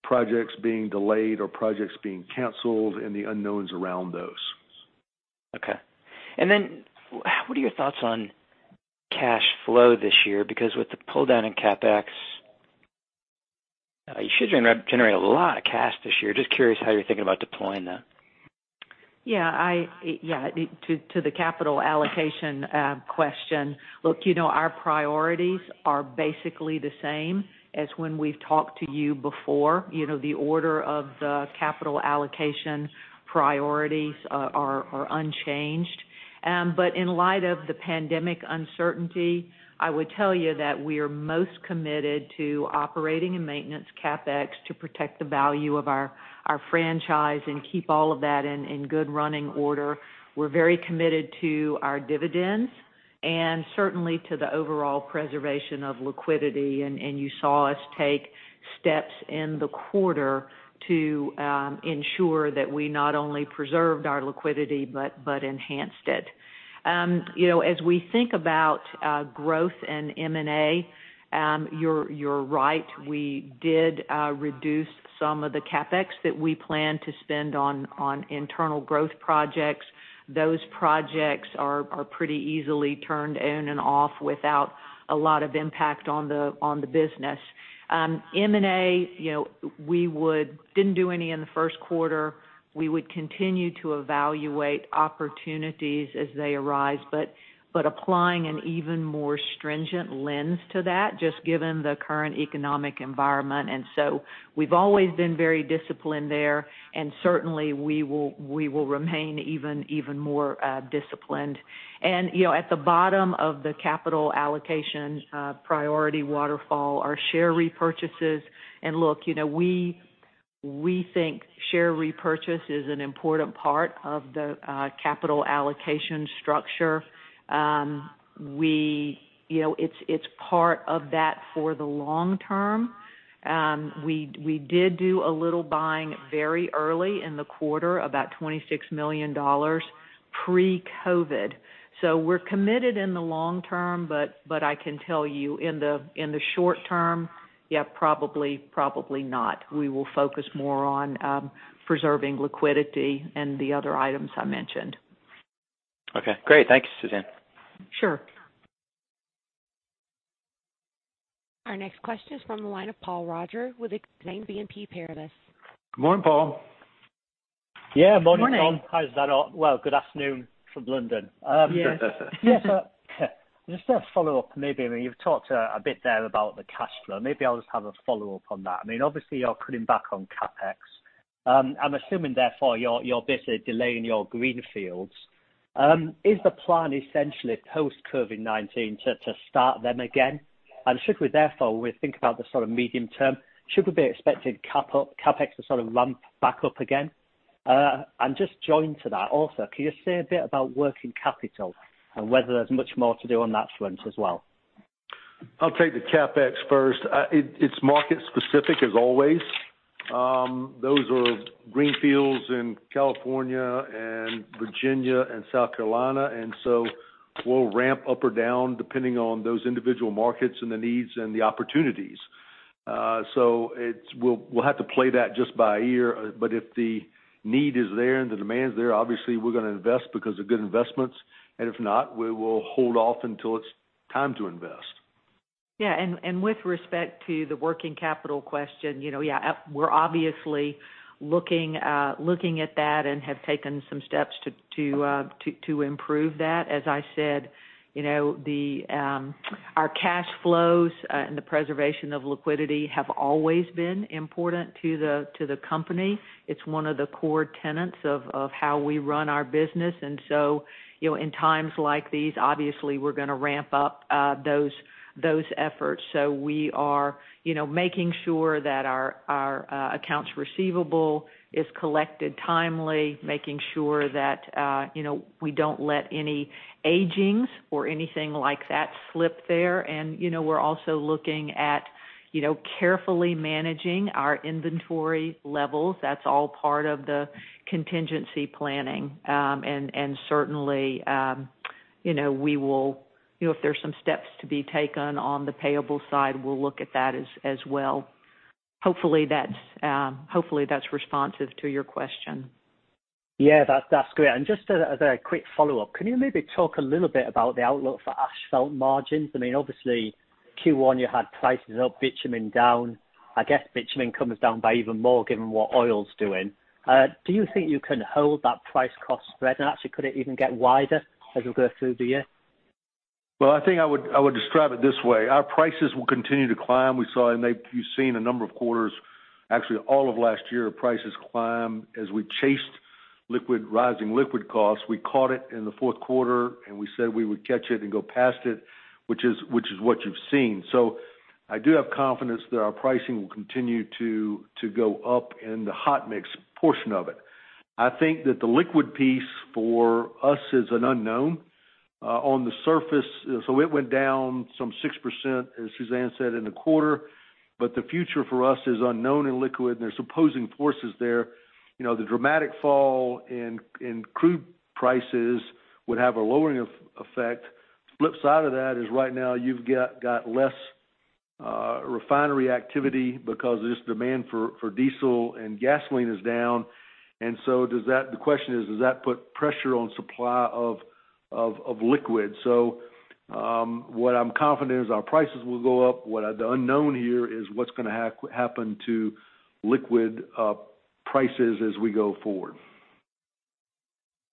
projects being delayed or projects being canceled and the unknowns around those. Okay. What are your thoughts on cash flow this year? With the pull-down in CapEx, you should generate a lot of cash this year. Just curious how you're thinking about deploying that. To the capital allocation question. Look, our priorities are basically the same as when we've talked to you before. The order of the capital allocation priorities are unchanged. In light of the pandemic uncertainty, I would tell you that we are most committed to operating and maintenance CapEx to protect the value of our franchise and keep all of that in good running order. We're very committed to our dividends and certainly to the overall preservation of liquidity, and you saw us take steps in the quarter to ensure that we not only preserved our liquidity but enhanced it. As we think about growth and M&A, you're right. We did reduce some of the CapEx that we planned to spend on internal growth projects. Those projects are pretty easily turned on and off without a lot of impact on the business. M&A, we didn't do any in the first quarter. We would continue to evaluate opportunities as they arise, but applying an even more stringent lens to that, just given the current economic environment. We've always been very disciplined there, and certainly, we will remain even more disciplined. At the bottom of the capital allocation priority waterfall are share repurchases. Look, we think share repurchase is an important part of the capital allocation structure. It's part of that for the long term. We did do a little buying very early in the quarter, about $26 million pre-COVID. We're committed in the long term, but I can tell you, in the short term, yeah, probably not. We will focus more on preserving liquidity and the other items I mentioned. Okay. Great. Thank you, Suzanne. Sure. Our next question is from the line of Paul Roger with Exane BNP Paribas. Morning, Paul. Yeah, morning, Tom. Morning. How is that all? Well, good afternoon from London. Just a follow-up maybe. I mean, you've talked a bit there about the cash flow. Maybe I'll just have a follow-up on that. I mean, obviously you're cutting back on CapEx. I'm assuming therefore, you're basically delaying your greenfields. Is the plan essentially post-COVID-19 to start them again? Should we therefore, when we think about the sort of medium term, should we be expecting CapEx to sort of ramp back up again? Just joined to that also, can you say a bit about working capital and whether there's much more to do on that front as well? I'll take the CapEx first. It's market specific as always. Those are greenfields in California and Virginia and South Carolina, and so we'll ramp up or down depending on those individual markets and the needs and the opportunities. We'll have to play that just by ear, but if the need is there and the demand is there, obviously we're going to invest because they're good investments, and if not, we will hold off until it's time to invest. With respect to the working capital question, we're obviously looking at that and have taken some steps to improve that. As I said, our cash flows and the preservation of liquidity have always been important to the company. It's one of the core tenets of how we run our business. In times like these, obviously we're going to ramp up those efforts. We are making sure that our accounts receivable is collected timely, making sure that we don't let any agings or anything like that slip there. We're also looking at carefully managing our inventory levels. That's all part of the contingency planning. Certainly, if there's some steps to be taken on the payable side, we'll look at that as well. Hopefully that's responsive to your question. Yeah. That's great. Just as a quick follow-up, can you maybe talk a little bit about the outlook for asphalt margins? I mean, obviously Q1 you had prices up, bitumen down. I guess bitumen comes down by even more given what oil's doing. Do you think you can hold that price-cost spread, and actually could it even get wider as we go through the year? Well, I think I would describe it this way. Our prices will continue to climb. You've seen a number of quarters, actually all of last year, prices climb as we chased rising liquid costs. We caught it in the fourth quarter, and we said we would catch it and go past it, which is what you've seen. I do have confidence that our pricing will continue to go up in the hot mix portion of it. I think that the liquid piece for us is an unknown. On the surface, so it went down some 6%, as Suzanne said, in the quarter, but the future for us is unknown in liquid, and there's opposing forces there. The dramatic fall in crude prices would have a lowering effect. Flip side of that is right now you've got less refinery activity because this demand for diesel and gasoline is down. The question is: Does that put pressure on supply of liquids? What I'm confident is our prices will go up. The unknown here is what's going to happen to liquid prices as we go forward.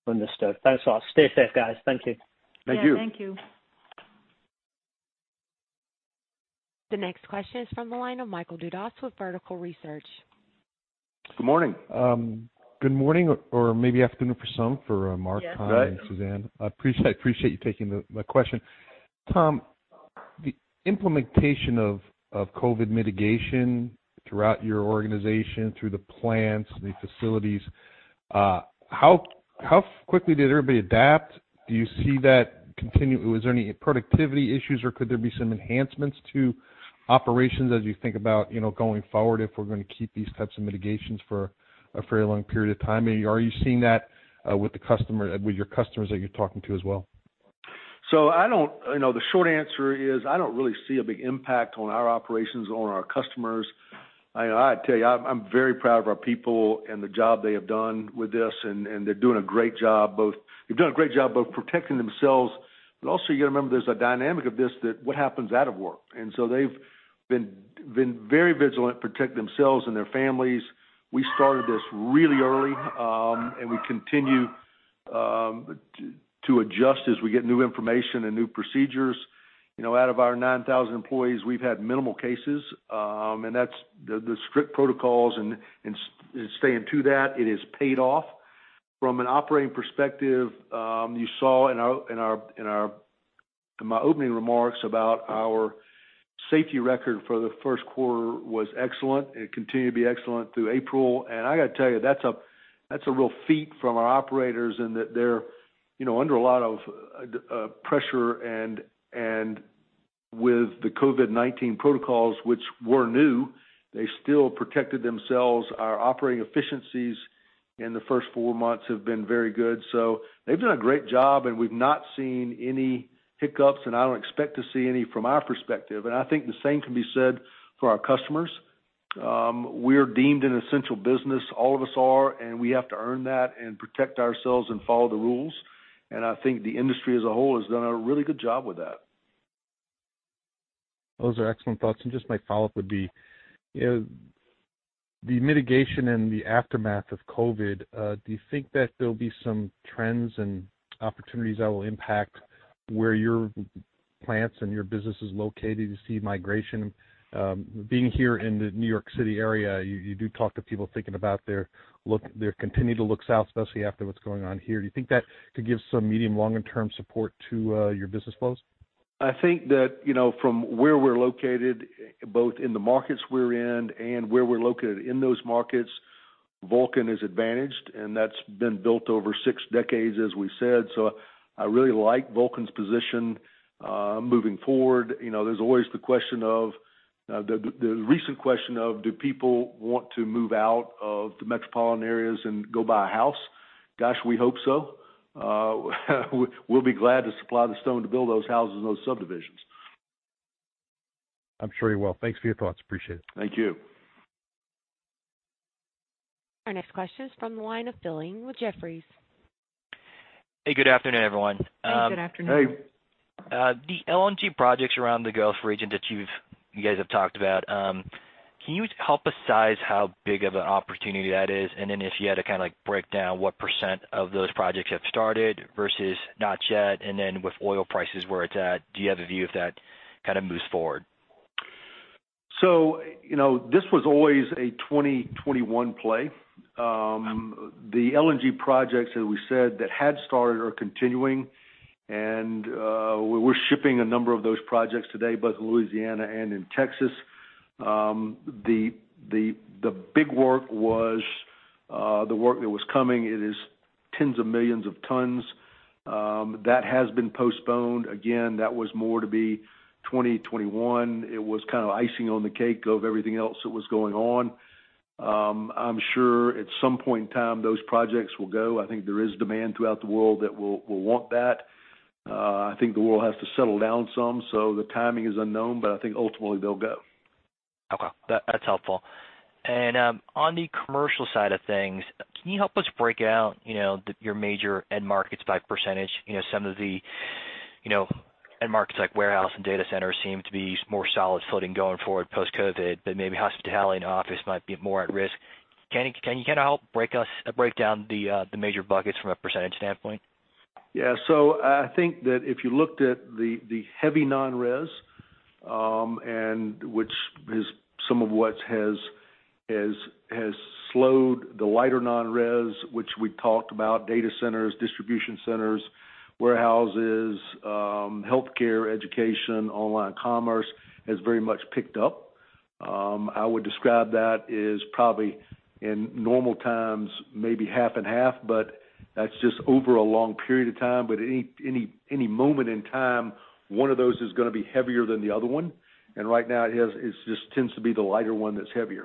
Understood. Thanks. Stay safe, guys. Thank you. Thank you. Yeah. Thank you. The next question is from the line of Michael Dudas with Vertical Research. Good morning. Good morning, or maybe afternoon for some, for Mark, Tom, and Suzanne. I appreciate you taking my question. Tom, the implementation of COVID-19 mitigation throughout your organization, through the plants, the facilities, how quickly did everybody adapt? Was there any productivity issues, or could there be some enhancements to operations as you think about going forward if we're going to keep these types of mitigations for a fairly long period of time? Are you seeing that with your customers that you're talking to as well? The short answer is I don't really see a big impact on our operations or on our customers. I tell you, I'm very proud of our people and the job they have done with this, and they're doing a great job. They've done a great job both protecting themselves, but also you got to remember, there's a dynamic of this that what happens out of work. They've been very vigilant, protect themselves and their families. We started this really early, and we continue to adjust as we get new information and new procedures. Out of our 9,000 employees, we've had minimal cases, and the strict protocols and staying to that, it has paid off. From an operating perspective, you saw in my opening remarks about our safety record for the first quarter was excellent. It continued to be excellent through April. I got to tell you, that's a real feat from our operators and that they're under a lot of pressure and with the COVID-19 protocols, which were new, they still protected themselves. Our operating efficiencies in the first four months have been very good. They've done a great job, and we've not seen any hiccups, and I don't expect to see any from our perspective. I think the same can be said for our customers. We're deemed an essential business, all of us are, and we have to earn that and protect ourselves and follow the rules. I think the industry as a whole has done a really good job with that. Those are excellent thoughts. Just my follow-up would be, the mitigation and the aftermath of COVID-19, do you think that there'll be some trends and opportunities that will impact where your plants and your business is located to see migration? Being here in the New York City area, you do talk to people thinking about their continuing to look south, especially after what's going on here. Do you think that could give some medium, long and term support to your business flows? I think that from where we're located, both in the markets we're in and where we're located in those markets, Vulcan is advantaged, and that's been built over six decades, as we said. I really like Vulcan's position moving forward. There's always the recent question of, do people want to move out of the metropolitan areas and go buy a house? Gosh, we hope so. We'll be glad to supply the stone to build those houses and those subdivisions. I'm sure you will. Thanks for your thoughts. Appreciate it. Thank you. Our next question is from the line of Phil Ng with Jefferies. Hey, good afternoon, everyone. Good afternoon. Hey. The LNG projects around the Gulf region that you guys have talked about, can you help us size how big of an opportunity that is? Then if you had to break down what percent of those projects have started versus not yet, and then with oil prices where it's at, do you have a view if that kind of moves forward? This was always a 2021 play. The LNG projects, as we said, that had started are continuing. We're shipping a number of those projects today, both in Louisiana and in Texas. The big work was the work that was coming. It is tens of millions of tons. That has been postponed. Again, that was more to be 2021. It was kind of icing on the cake of everything else that was going on. I'm sure at some point in time, those projects will go. I think there is demand throughout the world that will want that. I think the world has to settle down some, so the timing is unknown, but I think ultimately they'll go. Okay. That's helpful. On the commercial side of things, can you help us break out your major end markets by percentage? Some of the end markets like warehouse and data centers seem to be more solid footing going forward post-COVID-19, but maybe hospitality and office might be more at risk. Can you help break down the major buckets from a percentage standpoint? I think that if you looked at the heavy non-res, which is some of what has slowed the lighter non-res, which we talked about, data centers, distribution centers, warehouses, healthcare, education, online commerce, has very much picked up. I would describe that as probably in normal times, maybe half and half, but that's just over a long period of time. Any moment in time, one of those is going to be heavier than the other one. Right now, it just tends to be the lighter one that's heavier.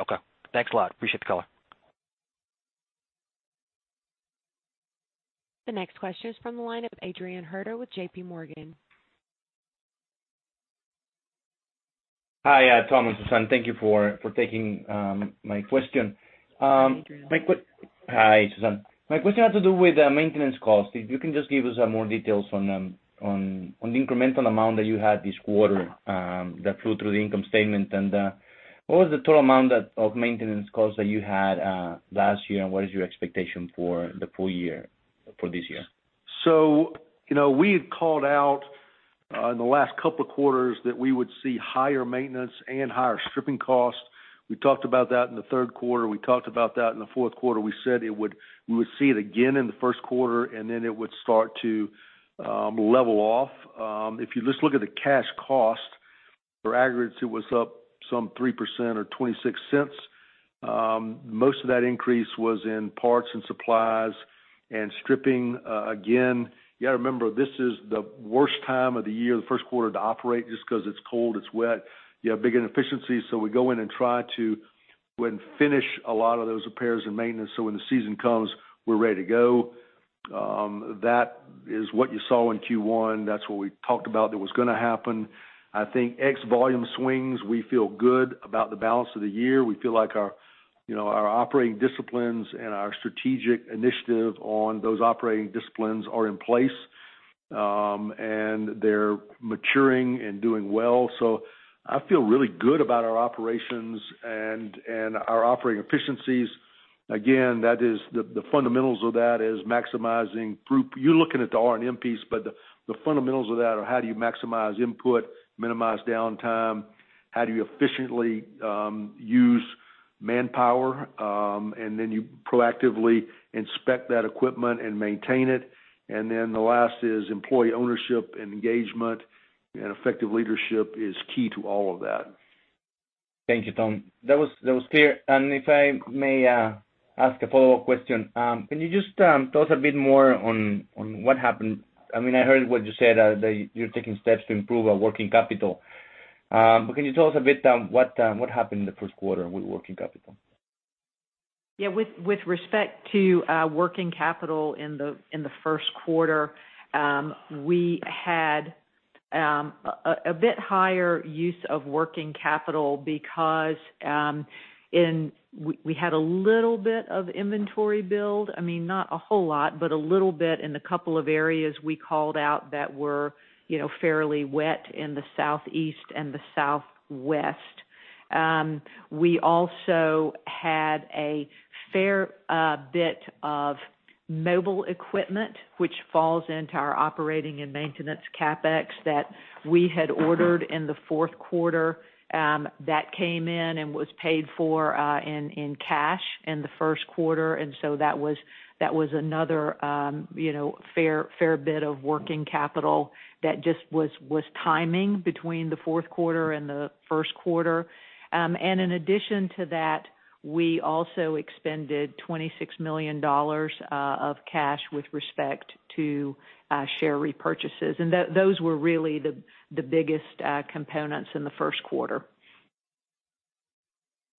Okay. Thanks a lot. Appreciate the call. The next question is from the line of Adrian Huerta with JPMorgan. Hi, Tom and Suzanne. Thank you for taking my question. Hi, Adrian. Hi, Suzanne. My question has to do with maintenance costs. If you can just give us more details on the incremental amount that you had this quarter that flew through the income statement. What was the total amount of maintenance costs that you had last year, and what is your expectation for the full year for this year? We had called out in the last couple of quarters that we would see higher maintenance and higher stripping costs. We talked about that in the third quarter. We talked about that in the fourth quarter. We said we would see it again in the first quarter, and then it would start to level off. If you just look at the cash cost for aggregates, it was up some 3% or $0.26. Most of that increase was in parts and supplies and stripping. Again, you got to remember, this is the worst time of the year, the first quarter to operate just because it's cold, it's wet. You have big inefficiencies, so we go in and try to go and finish a lot of those repairs and maintenance, so when the season comes, we're ready to go. That is what you saw in Q1. That's what we talked about that was going to happen. I think ex volume swings, we feel good about the balance of the year. We feel like our operating disciplines and our strategic initiative on those operating disciplines are in place, and they're maturing and doing well. I feel really good about our operations and our operating efficiencies. Again, the fundamentals of that is maximizing group. You're looking at the R&M piece. The fundamentals of that are how do you maximize input, minimize downtime, how do you efficiently use manpower? You proactively inspect that equipment and maintain it. The last is employee ownership and engagement, and effective leadership is key to all of that. Thank you, Tom. That was clear. If I may ask a follow-up question. Can you just talk a bit more on what happened? I heard what you said, that you're taking steps to improve our working capital. Can you tell us a bit what happened in the first quarter with working capital? Yeah. With respect to working capital in the first quarter, we had a bit higher use of working capital because we had a little bit of inventory build. Not a whole lot, but a little bit in a couple of areas we called out that were fairly wet in the Southeast and the Southwest. We also had a fair bit of mobile equipment, which falls into our operating and maintenance CapEx that we had ordered in the fourth quarter. That came in and was paid for in cash in the first quarter. That was another fair bit of working capital that just was timing between the fourth quarter and the first quarter. In addition to that, we also expended $26 million of cash with respect to share repurchases. Those were really the biggest components in the first quarter.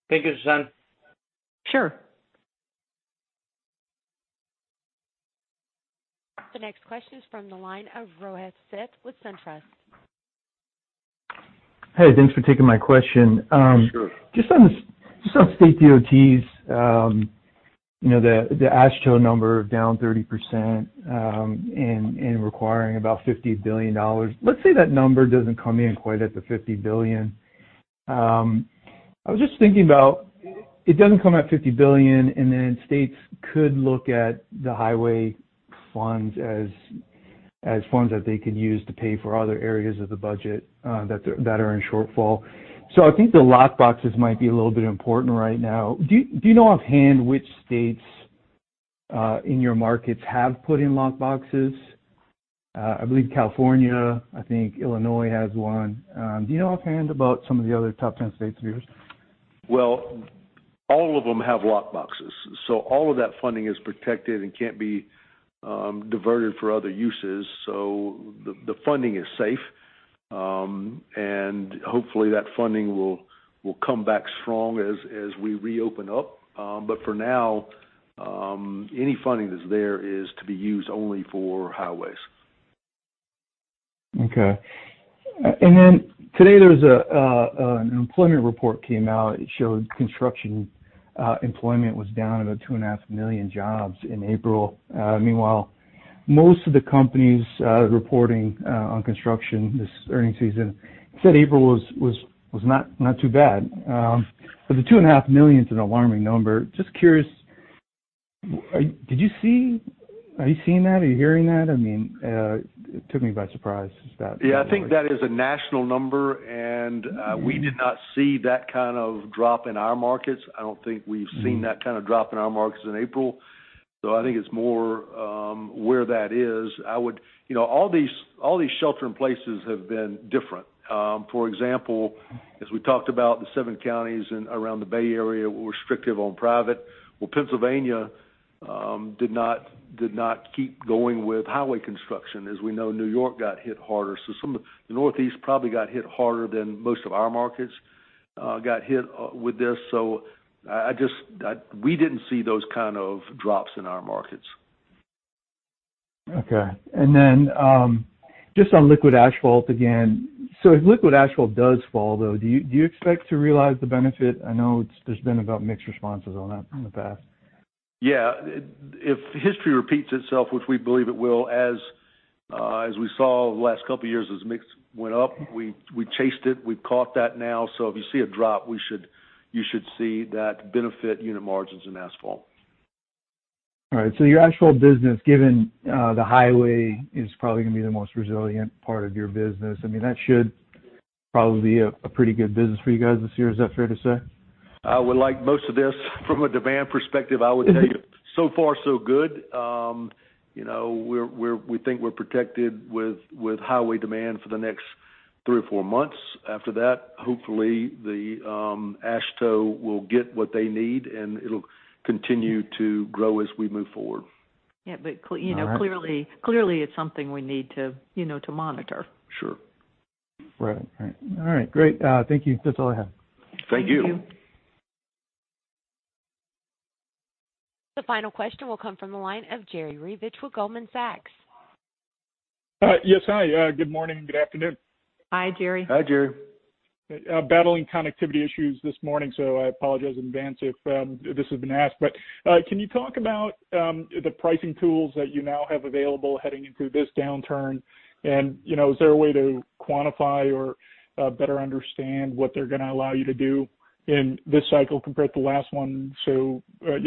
Thank you, Suzanne. Sure. The next question is from the line of Rohit Seth with SunTrust. Hey, thanks for taking my question. Sure. Just on the state DOTs, the AASHTO number down 30% and requiring about $50 billion. Let's say that number doesn't come in quite at the $50 billion. I was just thinking about, it doesn't come at $50 billion. States could look at the highway funds as funds that they could use to pay for other areas of the budget that are in shortfall. I think the lock boxes might be a little bit important right now. Do you know offhand which states in your markets have put in lock boxes? I believe California, I think Illinois has one. Do you know offhand about some of the other top 10 states of yours? All of them have lock boxes. All of that funding is protected and can't be diverted for other uses. The funding is safe. Hopefully, that funding will come back strong as we reopen up. For now, any funding that's there is to be used only for highways. Okay. Today, there was an employment report came out. It showed construction employment was down about 2.5 million jobs in April. Meanwhile, most of the companies reporting on construction this earnings season said April was not too bad. The 2.5 million is an alarming number. Just curious, are you seeing that? Are you hearing that? It took me by surprise. I think that is a national number, and we did not see that kind of drop in our markets. I don't think we've seen that kind of drop in our markets in April. I think it's more where that is. All these shelter in places have been different. For example, as we talked about the seven counties around the Bay Area were restrictive on private. Pennsylvania did not keep going with highway construction. As we know, New York got hit harder. Some of the Northeast probably got hit harder than most of our markets got hit with this. We didn't see those kind of drops in our markets. Okay. Just on liquid asphalt again. If liquid asphalt does fall, though, do you expect to realize the benefit? I know there's been about mixed responses on that in the past. Yeah. If history repeats itself, which we believe it will, as we saw the last couple of years as mix went up, we chased it. We've caught that now. If you see a drop, you should see that benefit unit margins in asphalt. All right. Your asphalt business, given the highway, is probably going to be the most resilient part of your business. That should probably be a pretty good business for you guys this year. Is that fair to say? Most of this, from a demand perspective, I would tell you, so far so good. We think we're protected with highway demand for the next three or four months. After that, hopefully the AASHTO will get what they need, and it'll continue to grow as we move forward. Yeah. Clearly it's something we need to monitor. Sure. Right. All right, great. Thank you. That's all I have. Thank you. Thank you. The final question will come from the line of Jerry Revich with Goldman Sachs. Yes, hi. Good morning. Good afternoon. Hi, Jerry. Hi, Jerry. Battling connectivity issues this morning, I apologize in advance if this has been asked. Can you talk about the pricing tools that you now have available heading into this downturn? Is there a way to quantify or better understand what they're going to allow you to do in this cycle compared to the last one?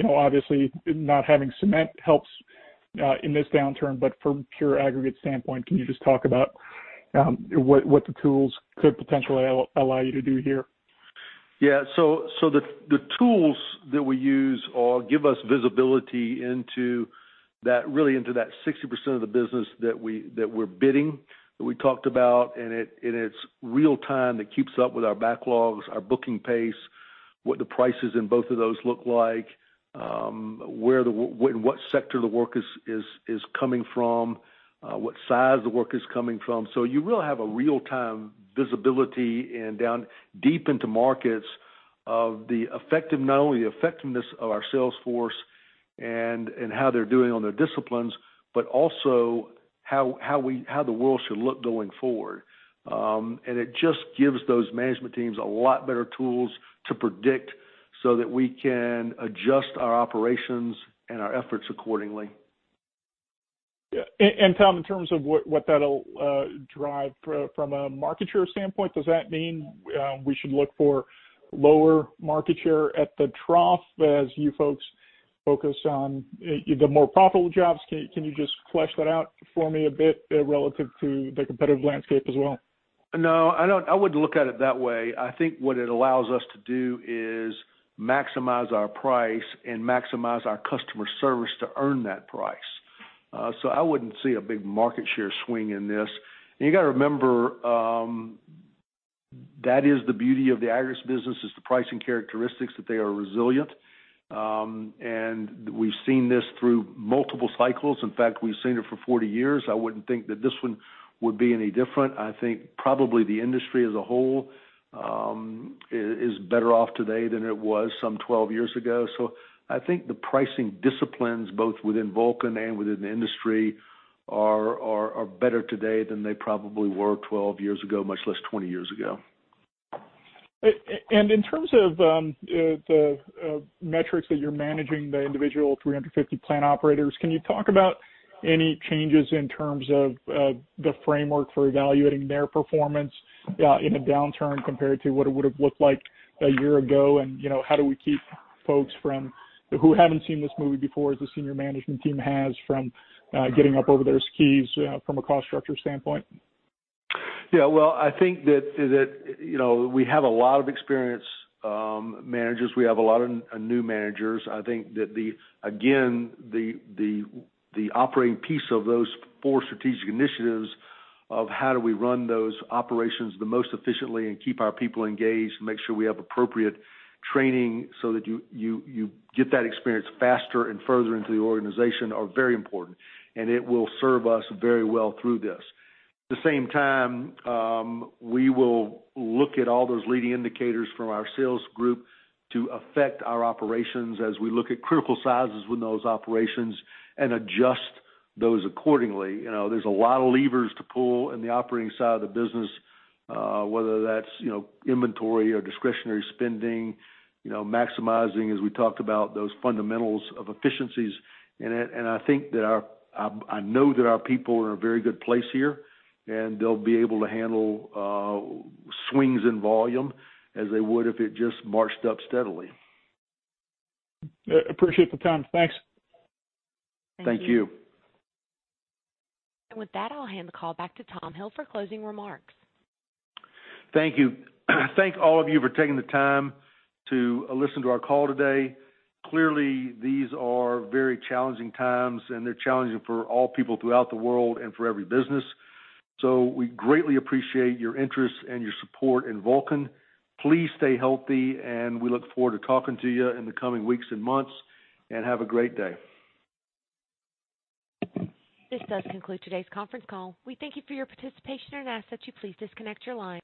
Obviously, not having cement helps in this downturn, but from pure aggregate standpoint, can you just talk about what the tools could potentially allow you to do here? Yeah. The tools that we use give us visibility into that 60% of the business that we're bidding, that we talked about, and it's real time that keeps up with our backlogs, our booking pace, what the prices in both of those look like, what sector the work is coming from, what size the work is coming from. You really have a real-time visibility and down deep into markets of not only the effectiveness of our sales force and how they're doing on their disciplines, but also how the world should look going forward. It just gives those management teams a lot better tools to predict so that we can adjust our operations and our efforts accordingly. Yeah. Tom, in terms of what that'll drive from a market share standpoint, does that mean we should look for lower market share at the trough as you folks focus on the more profitable jobs? Can you just flesh that out for me a bit relative to the competitive landscape as well? No, I wouldn't look at it that way. I think what it allows us to do is maximize our price and maximize our customer service to earn that price. I wouldn't see a big market share swing in this. You got to remember, that is the beauty of the aggregates business, is the pricing characteristics, that they are resilient. We've seen this through multiple cycles. In fact, we've seen it for 40 years. I wouldn't think that this one would be any different. I think probably the industry as a whole is better off today than it was some 12 years ago. I think the pricing disciplines, both within Vulcan and within the industry, are better today than they probably were 12 years ago, much less 20 years ago. In terms of the metrics that you're managing, the individual 350 plant operators, can you talk about any changes in terms of the framework for evaluating their performance, in a downturn compared to what it would've looked like a year ago? How do we keep folks who haven't seen this movie before, as the senior management team has, from getting up over their skis from a cost structure standpoint? Yeah. Well, I think that we have a lot of experienced managers. We have a lot of new managers. I think that, again, the operating piece of those four strategic initiatives of how do we run those operations the most efficiently and keep our people engaged and make sure we have appropriate training so that you get that experience faster and further into the organization are very important, and it will serve us very well through this. At the same time, we will look at all those leading indicators from our sales group to affect our operations as we look at critical sizes within those operations and adjust those accordingly. There's a lot of levers to pull in the operating side of the business, whether that's inventory or discretionary spending, maximizing, as we talked about, those fundamentals of efficiencies in it. I know that our people are in a very good place here, and they'll be able to handle swings in volume as they would if it just marched up steadily. Appreciate the time. Thanks. Thank you. With that, I'll hand the call back to Tom Hill for closing remarks. Thank you. Thank all of you for taking the time to listen to our call today. Clearly, these are very challenging times, they're challenging for all people throughout the world and for every business. We greatly appreciate your interest and your support in Vulcan. Please stay healthy, we look forward to talking to you in the coming weeks and months. Have a great day. This does conclude today's conference call. We thank you for your participation and ask that you please disconnect your line.